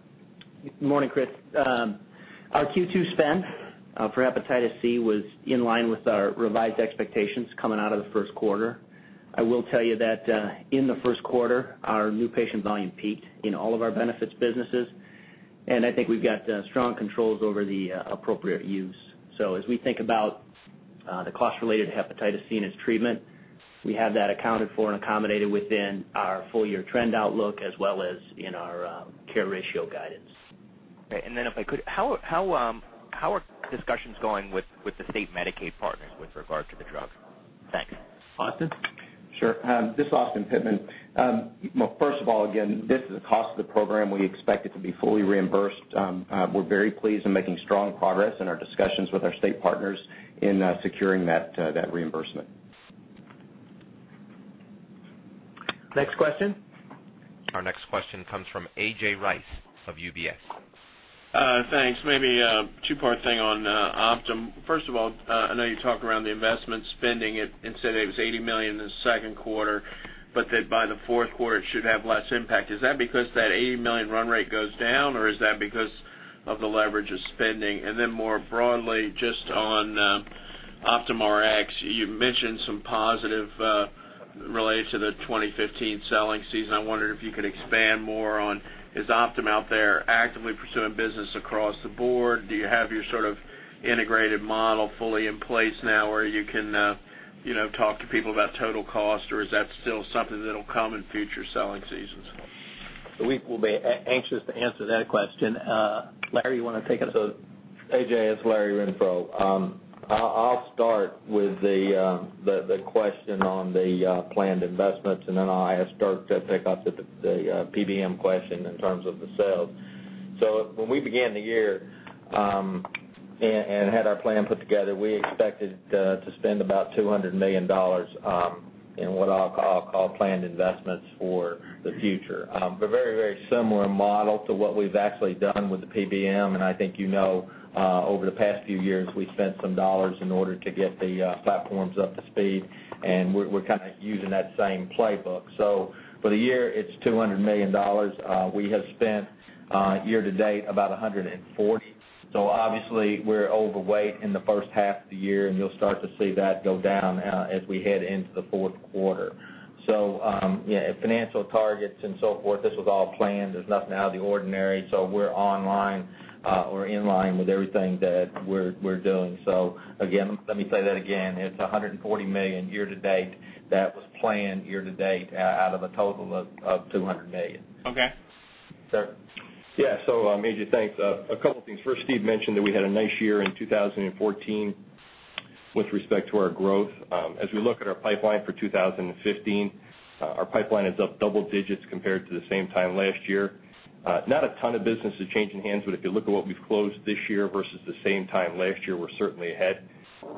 Morning, Chris. Our Q2 spend for hepatitis C was in line with our revised expectations coming out of the first quarter. I will tell you that in the first quarter, our new patient volume peaked in all of our benefits businesses, and I think we've got strong controls over the appropriate use. As we think about the cost related to hepatitis C and its treatment, we have that accounted for and accommodated within our full-year trend outlook as well as in our care ratio guidance. Okay. If I could, how are discussions going with the state Medicaid partners with regard to the drug? Thanks. Austin? Sure. This is Austin Pittman. First of all, again, this is a cost of the program. We expect it to be fully reimbursed. We're very pleased in making strong progress in our discussions with our state partners in securing that reimbursement. Next question. Our next question comes from A.J. Rice of UBS. Thanks. Maybe a two-part thing on Optum. First of all, I know you talked around the investment spending and said that it was $80 million in the second quarter, but that by the fourth quarter, it should have less impact. Is that because that $80 million run rate goes down, or is that because of the leverage of spending? More broadly, just on Optum Rx, you mentioned some positive related to the 2015 selling season. I wondered if you could expand more on, is Optum out there actively pursuing business across the board? Do you have your sort of integrated model fully in place now where you can talk to people about total cost, or is that still something that'll come in future selling seasons? We will be anxious to answer that question. Larry, you want to take it? A.J., it's Larry Renfro. I'll start with the question on the planned investments, and then I'll ask Dirk to pick up the PBM question in terms of the sales. When we began the year and had our plan put together, we expected to spend about $200 million in what I'll call planned investments for the future. A very, very similar model to what we've actually done with the PBM, and I think you know, over the past few years, we've spent some dollars in order to get the platforms up to speed, and we're kind of using that same playbook. For the year, it's $200 million. We have spent year to date about $140 million. Obviously, we're overweight in the first half of the year, and you'll start to see that go down as we head into the fourth quarter. Yeah, financial targets and so forth, this was all planned. There's nothing out of the ordinary. We're online or in line with everything that we're doing. Again, let me say that again. It's $140 million year to date that was planned year to date out of a total of $200 million. Okay. Dirk? Yeah. A.J., thanks. A couple of things. First, Steve mentioned that we had a nice year in 2014 with respect to our growth. As we look at our pipeline for 2015, our pipeline is up double digits compared to the same time last year. Not a ton of business is changing hands, but if you look at what we've closed this year versus the same time last year, we're certainly ahead.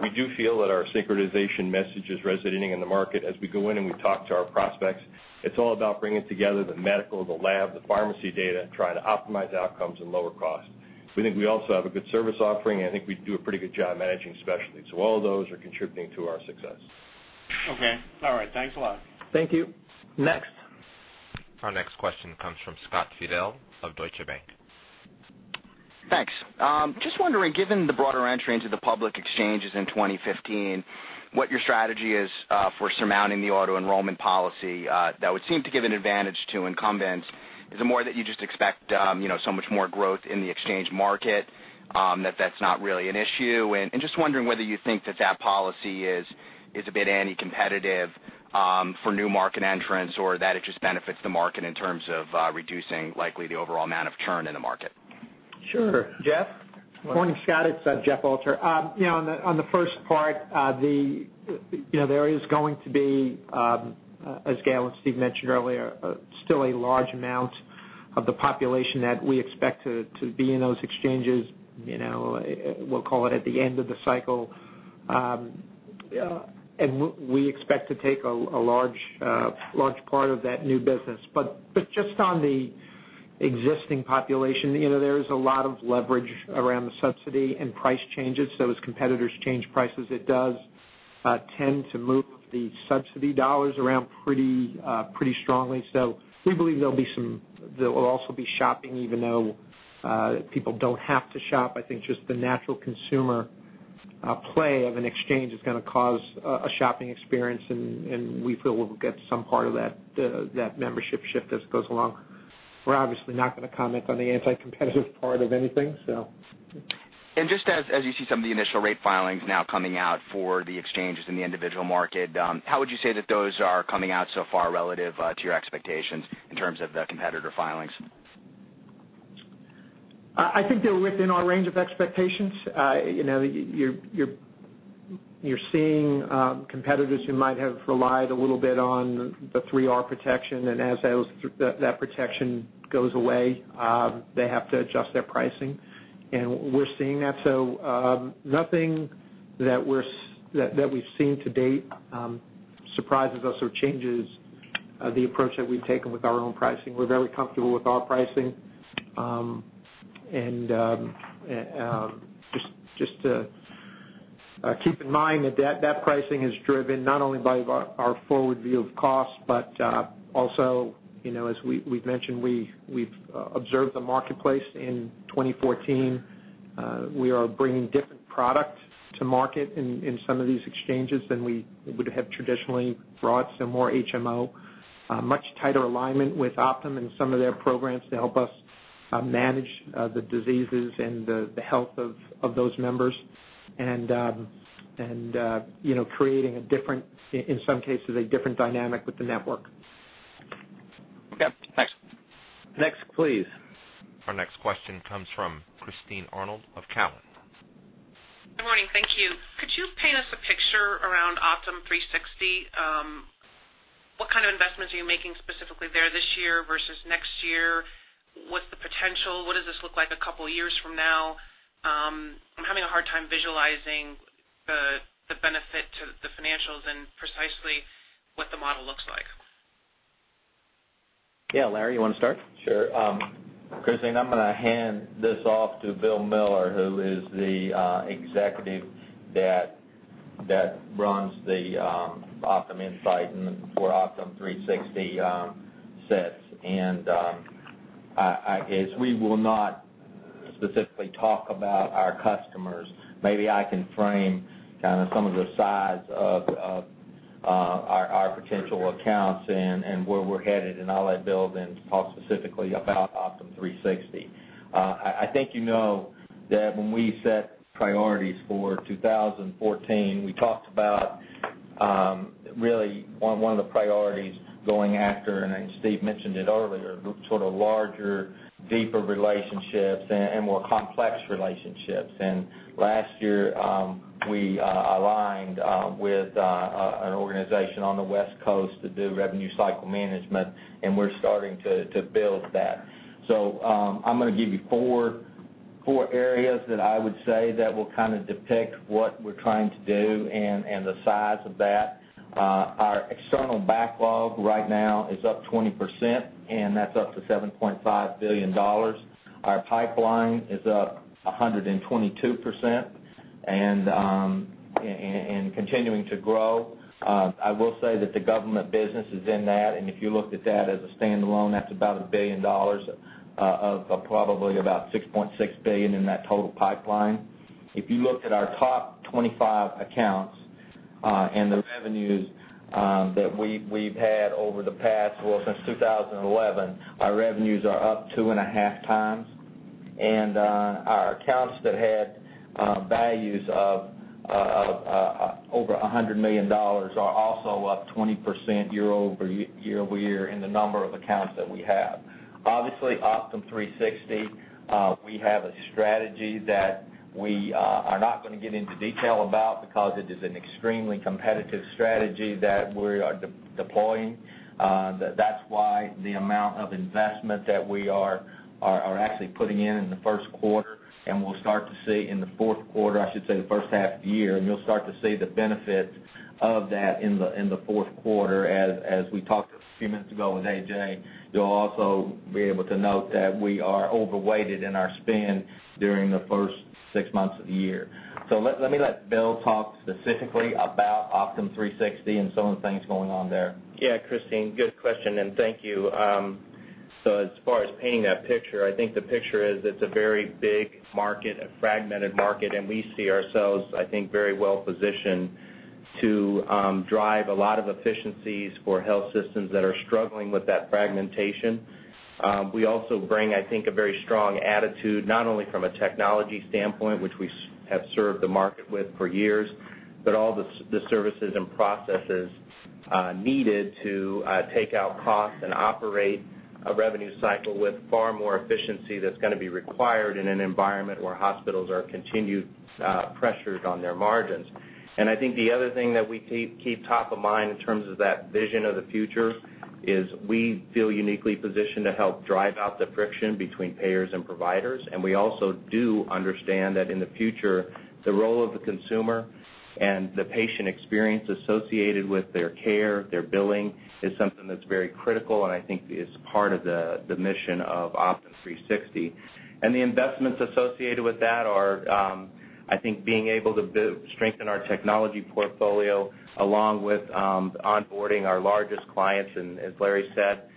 We do feel that our synchronization message is resonating in the market as we go in and we talk to our prospects. It's all about bringing together the medical, the lab, the pharmacy data, and trying to optimize outcomes and lower costs. We think we also have a good service offering, and I think we do a pretty good job managing specialty. All of those are contributing to our success. Okay. All right. Thanks a lot. Thank you. Next? Our next question comes from Scott Fidel of Deutsche Bank. Thanks. Just wondering, given the broader entry into the public exchanges in 2015, what your strategy is for surmounting the auto-enrollment policy that would seem to give an advantage to incumbents. Is it more that you just expect so much more growth in the exchange market that that's not really an issue? Just wondering whether you think that policy is a bit anti-competitive for new market entrants, or that it just benefits the market in terms of reducing likely the overall amount of churn in the market. Sure. Jeff? Morning, Scott. It is Jeff Alter. On the first part, there is going to be, as Gail and Steve mentioned earlier, still a large amount of the population that we expect to be in those exchanges, we will call it, at the end of the cycle. We expect to take a large part of that new business. Just on the existing population, there is a lot of leverage around the subsidy and price changes. As competitors change prices, it does tend to move the subsidy dollars around pretty strongly. We believe there will also be shopping, even though people do not have to shop. I think just the natural consumer play of an exchange is going to cause a shopping experience, and we feel we will get some part of that membership shift as it goes along. We are obviously not going to comment on the anti-competitive part of anything. Just as you see some of the initial rate filings now coming out for the exchanges in the individual market, how would you say that those are coming out so far relative to your expectations in terms of the competitor filings? I think they are within our range of expectations. You are seeing competitors who might have relied a little bit on the 3R protection, and as that protection goes away, they have to adjust their pricing. We are seeing that. Nothing that we have seen to date surprises us or changes the approach that we have taken with our own pricing. We are very comfortable with our pricing. Just to keep in mind that pricing is driven not only by our forward view of costs, but also, as we have mentioned, we have observed the marketplace in 2014. We are bringing different product to market in some of these exchanges than we would have traditionally brought, so more HMO. Much tighter alignment with Optum and some of their programs to help us manage the diseases and the health of those members. Creating, in some cases, a different dynamic with the network. Okay, thanks. Next, please. Our next question comes from Christine Arnold of Cowen. Good morning. Thank you. Could you paint us a picture around Optum360? What kind of investments are you making specifically there this year versus next year? What's the potential? What does this look like a couple of years from now? I'm having a hard time visualizing the benefit to the financials and precisely what the model looks like. Yeah, Larry, you want to start? Sure. Christine, I'm going to hand this off to Bill Miller, who is the executive that runs the Optum Insight and the core Optum360 sets. As we will not specifically talk about our customers, maybe I can frame kind of some of the size of our potential accounts and where we're headed, and I'll let Bill then talk specifically about Optum360. I think you know that when we set priorities for 2014, we talked about, really one of the priorities going after, and I think Steve mentioned it earlier, sort of larger, deeper relationships and more complex relationships. Last year, we aligned with an organization on the West Coast to do revenue cycle management, and we're starting to build that. I'm going to give you four areas that I would say that will kind of depict what we're trying to do and the size of that. Our external backlog right now is up 20%, and that's up to $7.5 billion. Our pipeline is up 122% and continuing to grow. I will say that the government business is in that, and if you looked at that as a standalone, that's about $1 billion of probably about $6.6 billion in that total pipeline. If you looked at our top 25 accounts, and the revenues that we've had over the past, well, since 2011, our revenues are up two and a half times. Our accounts that had values of over $100 million are also up 20% year-over-year in the number of accounts that we have. Obviously, Optum360, we have a strategy that we are not going to get into detail about because it is an extremely competitive strategy that we are deploying. That's why the amount of investment that we are actually putting in in the first quarter, and we'll start to see in the fourth quarter, I should say the first half of the year, and you'll start to see the benefits of that in the fourth quarter as we talked a few minutes ago with AJ. You'll also be able to note that we are over-weighted in our spend during the first six months of the year. Let me let Bill talk specifically about Optum360 and some of the things going on there. Yeah, Christine, good question, and thank you. As far as painting that picture, I think the picture is, it's a very big market, a fragmented market, and we see ourselves, I think, very well-positioned to drive a lot of efficiencies for health systems that are struggling with that fragmentation. We also bring, I think, a very strong attitude, not only from a technology standpoint, which we have served the market with for years, but all the services and processes needed to take out costs and operate a revenue cycle with far more efficiency that's going to be required in an environment where hospitals are continued pressured on their margins. I think the other thing that we keep top of mind in terms of that vision of the future is we feel uniquely positioned to help drive out the friction between payers and providers. We also do understand that in the future, the role of the consumer and the patient experience associated with their care, their billing, is something that's very critical and I think is part of the mission of Optum360. The investments associated with that are, I think, being able to strengthen our technology portfolio along with onboarding our largest clients, and as Larry said,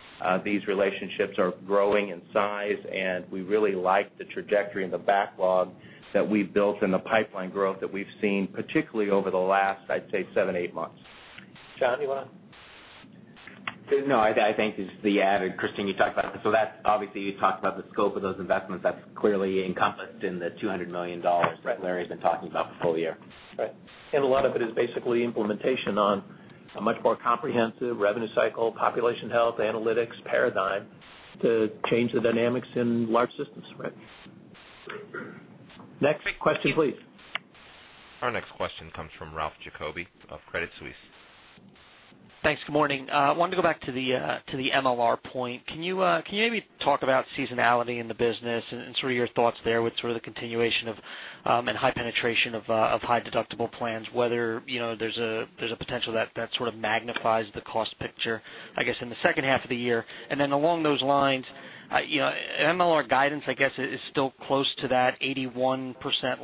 these relationships are growing in size, and we really like the trajectory and the backlog that we've built and the pipeline growth that we've seen, particularly over the last, I'd say, seven, eight months. Jeff, you want to? No, I think just the added, Christine, you talked about. That's obviously, you talked about the scope of those investments. That's clearly encompassed in the $200 million that Larry's been talking about for full year. Right. A lot of it is basically implementation on a much more comprehensive revenue cycle, population health, analytics paradigm to change the dynamics in large systems, right? Next question, please. Our next question comes from Ralph Jacoby of Credit Suisse. Thanks. Good morning. I wanted to go back to the MLR point. Can you maybe talk about seasonality in the business and sort of your thoughts there with sort of the continuation of, and high penetration of high deductible plans, whether there's a potential that sort of magnifies the cost picture, I guess, in the second half of the year? Then along those lines, MLR guidance, I guess, is still close to that 81%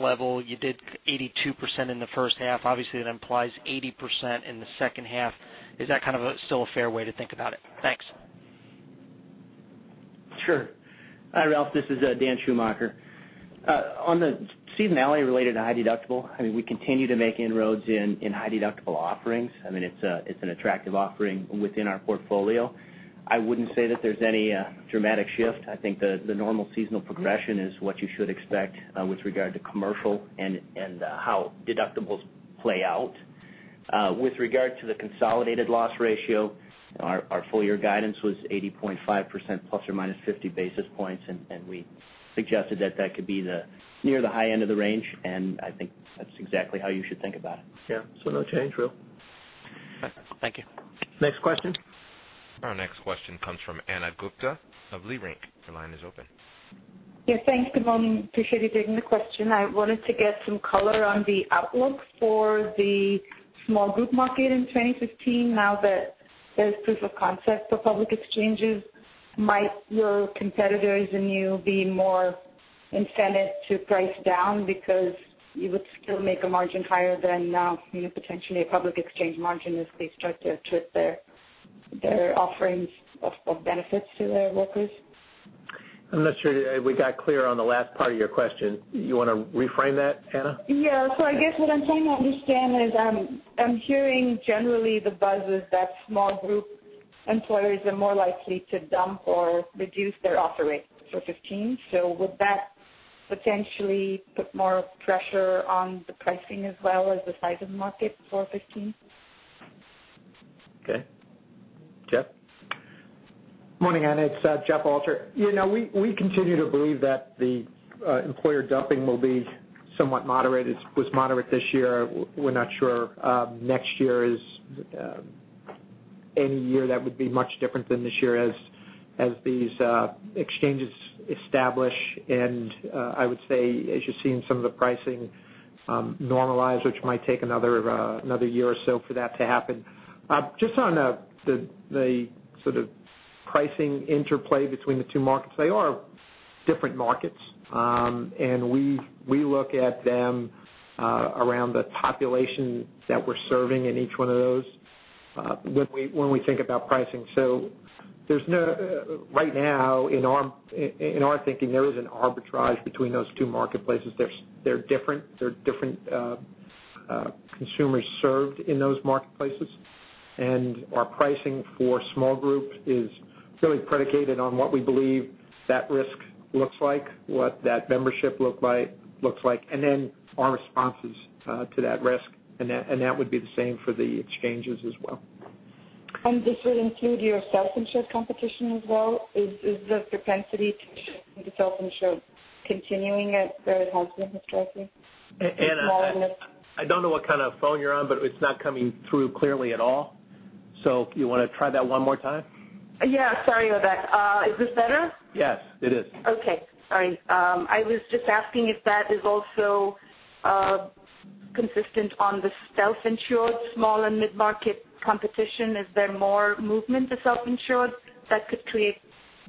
level. You did 82% in the first half. Obviously, that implies 80% in the second half. Is that kind of still a fair way to think about it? Thanks. Sure. Hi, Ralph. This is Dan Schumacher. On the seasonality related to high deductible, I mean, we continue to make inroads in high deductible offerings. I mean, it's an attractive offering within our portfolio. I wouldn't say that there's any dramatic shift. I think the normal seasonal progression is what you should expect with regard to commercial and how deductibles play out. With regard to the consolidated loss ratio, our full year guidance was 80.5% plus or minus 50 basis points, and we suggested that that could be near the high end of the range, and I think that's exactly how you should think about it. Yeah. No change, Ralph. Thank you. Next question. Our next question comes from Ana Gupte of Leerink. Your line is open. Yeah, thanks. Good morning. Appreciate you taking the question. I wanted to get some color on the outlook for the small group market in 2015 now that there's proof of concept for public exchanges. Might your competitors and you be more incented to price down because you would still make a margin higher than now, potentially a public exchange margin as they start to adjust their offerings of benefits to their workers? I'm not sure we got clear on the last part of your question. You want to reframe that, Ana? Yeah. I guess what I'm trying to understand is, I'm hearing generally the buzz is that small group employers are more likely to dump or reduce their offer rates for 2015. Would that potentially put more pressure on the pricing as well as the size of the market for 2015? Okay. Jeff? Morning, Ana. It's Jeff Alter. We continue to believe that the employer dumping will be somewhat moderate. It was moderate this year. We're not sure next year is any year that would be much different than this year as these exchanges establish, and I would say as you're seeing some of the pricing normalize, which might take another year or so for that to happen. Just on the sort of pricing interplay between the two markets, they are different markets. We look at them around the population that we're serving in each one of those when we think about pricing. Right now, in our thinking, there is an arbitrage between those two marketplaces. They're different consumers served in those marketplaces, and our pricing for small group is really predicated on what we believe that risk looks like, what that membership looks like, and then our responses to that risk, and that would be the same for the exchanges as well. This would include your self-insured competition as well? Is the propensity to self-insure continuing where it has been historically? Ana, I don't know what kind of phone you're on, but it's not coming through clearly at all. You want to try that one more time? Yeah. Sorry about that. Is this better? Yes, it is. Okay. Sorry. I was just asking if that is also. Consistent on the self-insured small and mid-market competition. Is there more movement to self-insured that could create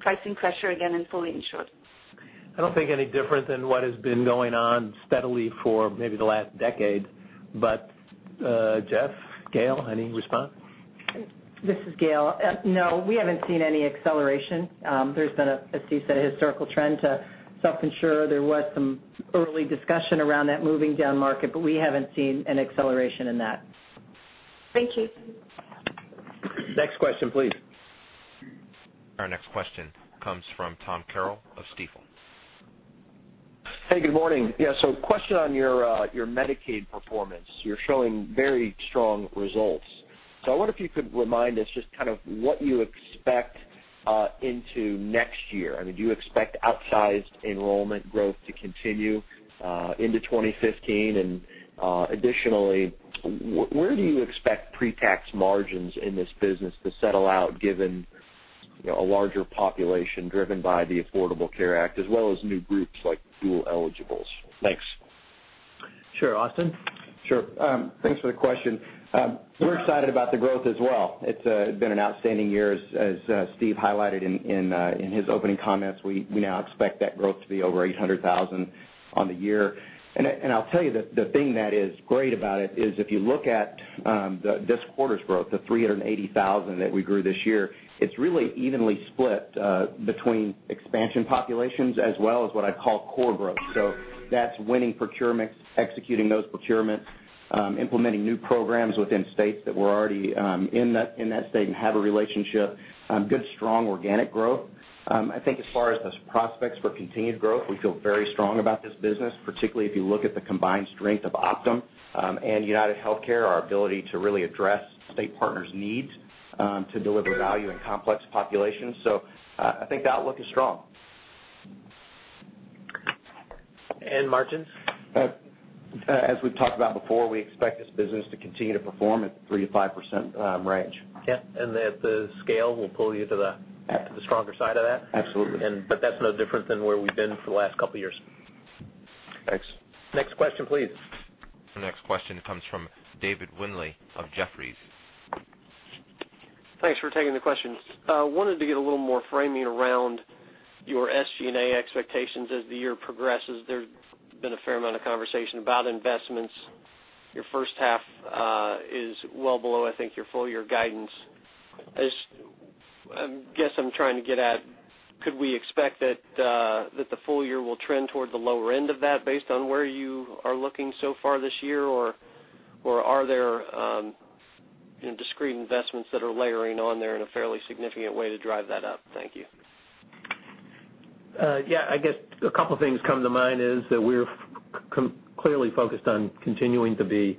pricing pressure again in fully insured? I don't think any different than what has been going on steadily for maybe the last decade. Jeff, Gail, any response? This is Gail. No, we haven't seen any acceleration. There's been a, as Steve said, historical trend to self-insure. There was some early discussion around that moving down market, but we haven't seen an acceleration in that. Thank you. Next question, please. Our next question comes from Tom Carroll of Stifel. Hey, good morning. Question on your Medicaid performance. You are showing very strong results. I wonder if you could remind us just what you expect into next year. Do you expect outsized enrollment growth to continue into 2015? Additionally, where do you expect pre-tax margins in this business to settle out given a larger population driven by the Affordable Care Act as well as new groups like dual eligibles? Thanks. Sure. Austin? Sure. Thanks for the question. We're excited about the growth as well. It's been an outstanding year, as Steve highlighted in his opening comments. We now expect that growth to be over 800,000 on the year. I'll tell you, the thing that is great about it is if you look at this quarter's growth, the 380,000 that we grew this year, it's really evenly split between expansion populations as well as what I'd call core growth. That's winning procurements, executing those procurements, implementing new programs within states that were already in that state and have a relationship. Good, strong organic growth. I think as far as the prospects for continued growth, we feel very strong about this business, particularly if you look at the combined strength of Optum and UnitedHealthcare, our ability to really address state partners' needs to deliver value in complex populations. I think the outlook is strong. Margins? As we've talked about before, we expect this business to continue to perform at the 3%-5% range. Yeah. That the scale will pull you to the stronger side of that? Absolutely. That's no different than where we've been for the last couple of years. Thanks. Next question, please. The next question comes from David Windley of Jefferies. Thanks for taking the question. Wanted to get a little more framing around your SG&A expectations as the year progresses. There's been a fair amount of conversation about investments. Your first half is well below, I think, your full-year guidance. I guess I'm trying to get at could we expect that the full year will trend toward the lower end of that based on where you are looking so far this year? Are there discrete investments that are layering on there in a fairly significant way to drive that up? Thank you. I guess two things come to mind is that we're clearly focused on continuing to be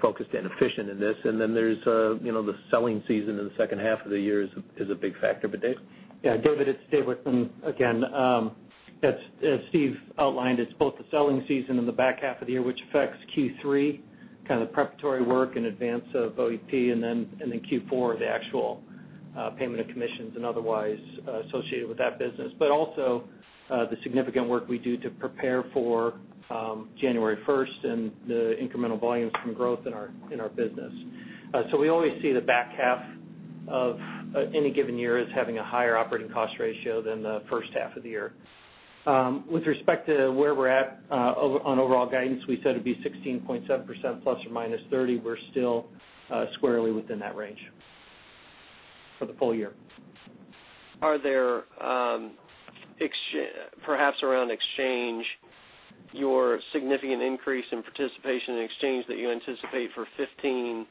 focused and efficient in this. There's the selling season in the second half of the year is a big factor. Dave? David, it's Dave Wichmann again. As Steve outlined, it's both the selling season in the back half of the year, which affects Q3, kind of preparatory work in advance of OEP, and then Q4, the actual payment of commissions and otherwise associated with that business. Also the significant work we do to prepare for January 1st and the incremental volumes from growth in our business. We always see the back half of any given year as having a higher operating cost ratio than the first half of the year. With respect to where we're at on overall guidance, we said it'd be 16.7% plus or minus 30. We're still squarely within that range for the full year. Are there, perhaps around Exchange, your significant increase in participation in Exchange that you anticipate for 2015,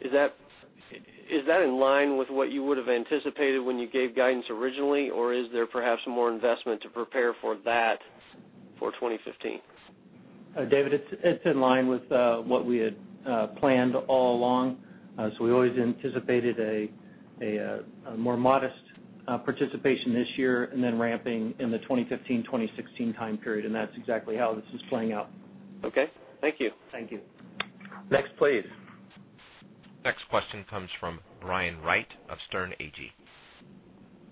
is that in line with what you would have anticipated when you gave guidance originally, or is there perhaps more investment to prepare for that for 2015? David, it's in line with what we had planned all along. We always anticipated a more modest participation this year and then ramping in the 2015-2016 time period, and that's exactly how this is playing out. Okay. Thank you. Thank you. Next, please. Next question comes from Brian Wright of Sterne Agee.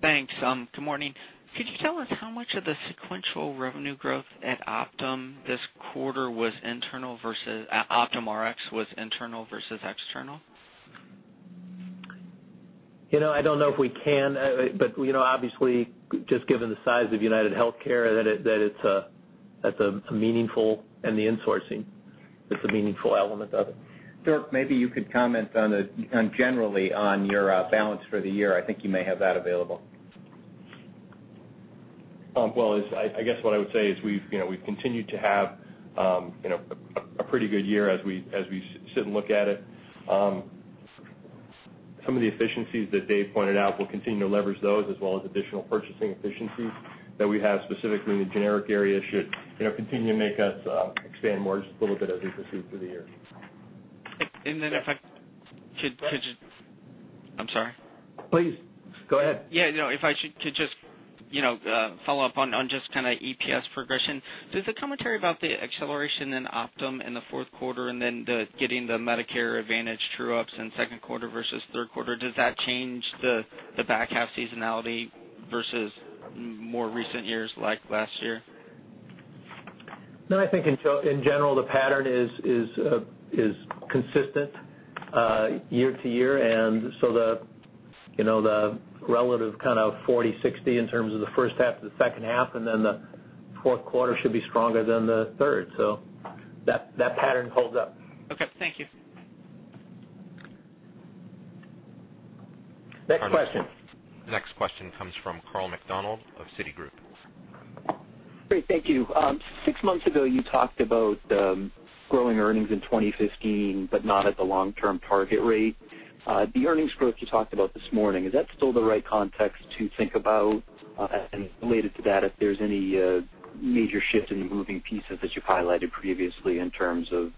Thanks. Good morning. Could you tell us how much of the sequential revenue growth at Optum Rx this quarter was internal versus external? I don't know if we can. Obviously just given the size of UnitedHealthcare, that's a meaningful, and the insourcing is a meaningful element of it. Dirk, maybe you could comment on generally on your balance for the year. I think you may have that available. Well, I guess what I would say is we've continued to have a pretty good year as we sit and look at it. Some of the efficiencies that Dave pointed out, we'll continue to leverage those as well as additional purchasing efficiencies that we have specifically in the generic area should continue to make us expand margins a little bit as we proceed through the year. If I could just. I'm sorry. Please, go ahead. If I could just follow up on just kind of EPS progression. Does the commentary about the acceleration in Optum in the fourth quarter and then the getting the Medicare Advantage true-ups in second quarter versus third quarter, does that change the back half seasonality versus more recent years like last year? I think in general, the pattern is consistent year to year. The relative 40-60 in terms of the first half to the second half, and then the fourth quarter should be stronger than the third. That pattern holds up. Okay, thank you. Next question. The next question comes from Carl McDonald of Citigroup. Great. Thank you. Six months ago, you talked about growing earnings in 2015, but not at the long-term target rate. The earnings growth you talked about this morning, is that still the right context to think about? Related to that, if there's any major shifts in the moving pieces that you've highlighted previously in terms of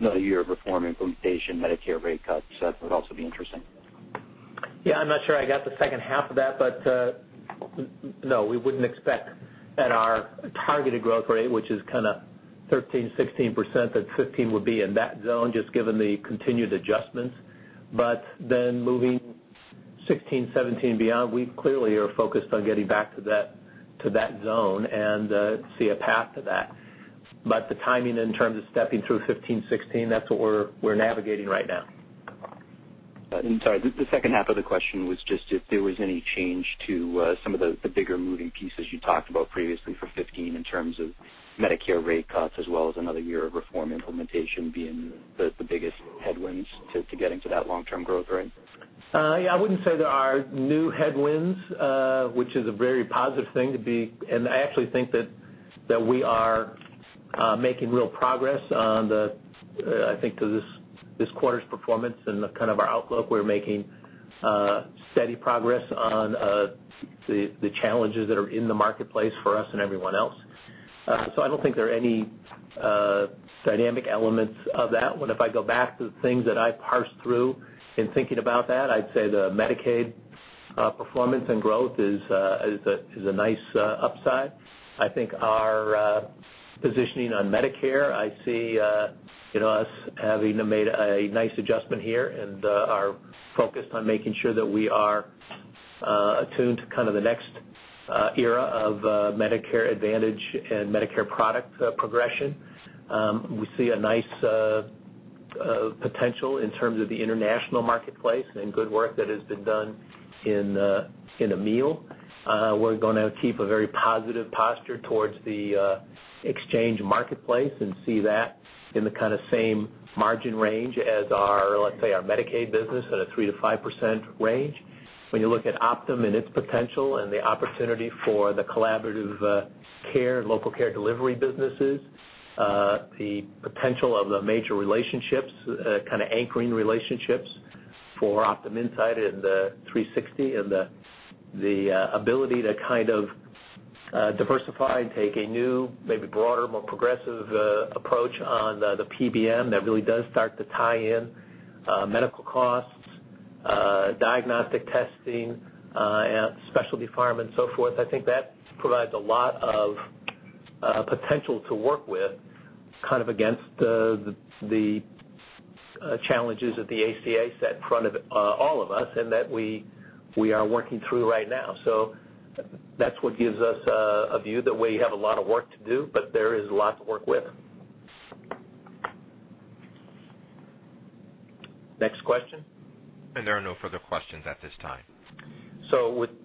another year of reform implementation, Medicare rate cuts, that would also be interesting. No, we wouldn't expect at our targeted growth rate, which is 13%-16%, that 2015 would be in that zone, just given the continued adjustments. Moving 2016, 2017, and beyond, we clearly are focused on getting back to that zone and see a path to that. The timing in terms of stepping through 2015, 2016, that's what we're navigating right now. Sorry, the second half of the question was just if there was any change to some of the bigger moving pieces you talked about previously for 2015 in terms of Medicare rate cuts, as well as another year of reform implementation being the biggest headwinds to getting to that long-term growth rate. I wouldn't say there are new headwinds, which is a very positive thing to be. I actually think that we are making real progress on this quarter's performance and our outlook. We're making steady progress on the challenges that are in the marketplace for us and everyone else. I don't think there are any dynamic elements of that one. If I go back to the things that I parsed through in thinking about that, I'd say the Medicaid performance and growth is a nice upside. I think our positioning on Medicare, I see us having made a nice adjustment here, and are focused on making sure that we are attuned to the next era of Medicare Advantage and Medicare product progression. We see a nice potential in terms of the international marketplace and good work that has been done in Amil. We're going to keep a very positive posture towards the exchange marketplace and see that in the same margin range as our, let's say, our Medicaid business at a 3%-5% range. When you look at Optum and its potential and the opportunity for the collaborative care and local care delivery businesses, the potential of the major relationships, anchoring relationships for Optum Insight and Optum360 and the ability to diversify and take a new, maybe broader, more progressive approach on the PBM that really does start to tie in medical costs, diagnostic testing, specialty pharma, and so forth. I think that provides a lot of potential to work with against the challenges that the ACA set in front of all of us, and that we are working through right now. That's what gives us a view that we have a lot of work to do, but there is a lot to work with. Next question. There are no further questions at this time.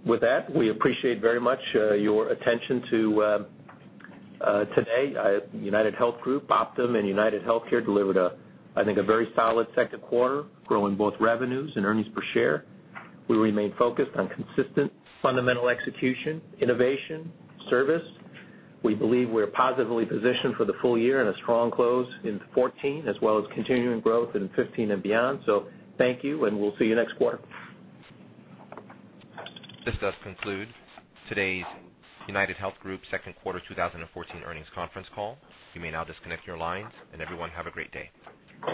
With that, we appreciate very much your attention to today. UnitedHealth Group, Optum, and UnitedHealthcare delivered, I think, a very solid second quarter, growing both revenues and earnings per share. We remain focused on consistent fundamental execution, innovation, service. We believe we're positively positioned for the full year and a strong close in 2014, as well as continuing growth in 2015 and beyond. Thank you, and we'll see you next quarter. This does conclude today's UnitedHealth Group second quarter 2014 earnings conference call. You may now disconnect your lines, and everyone, have a great day.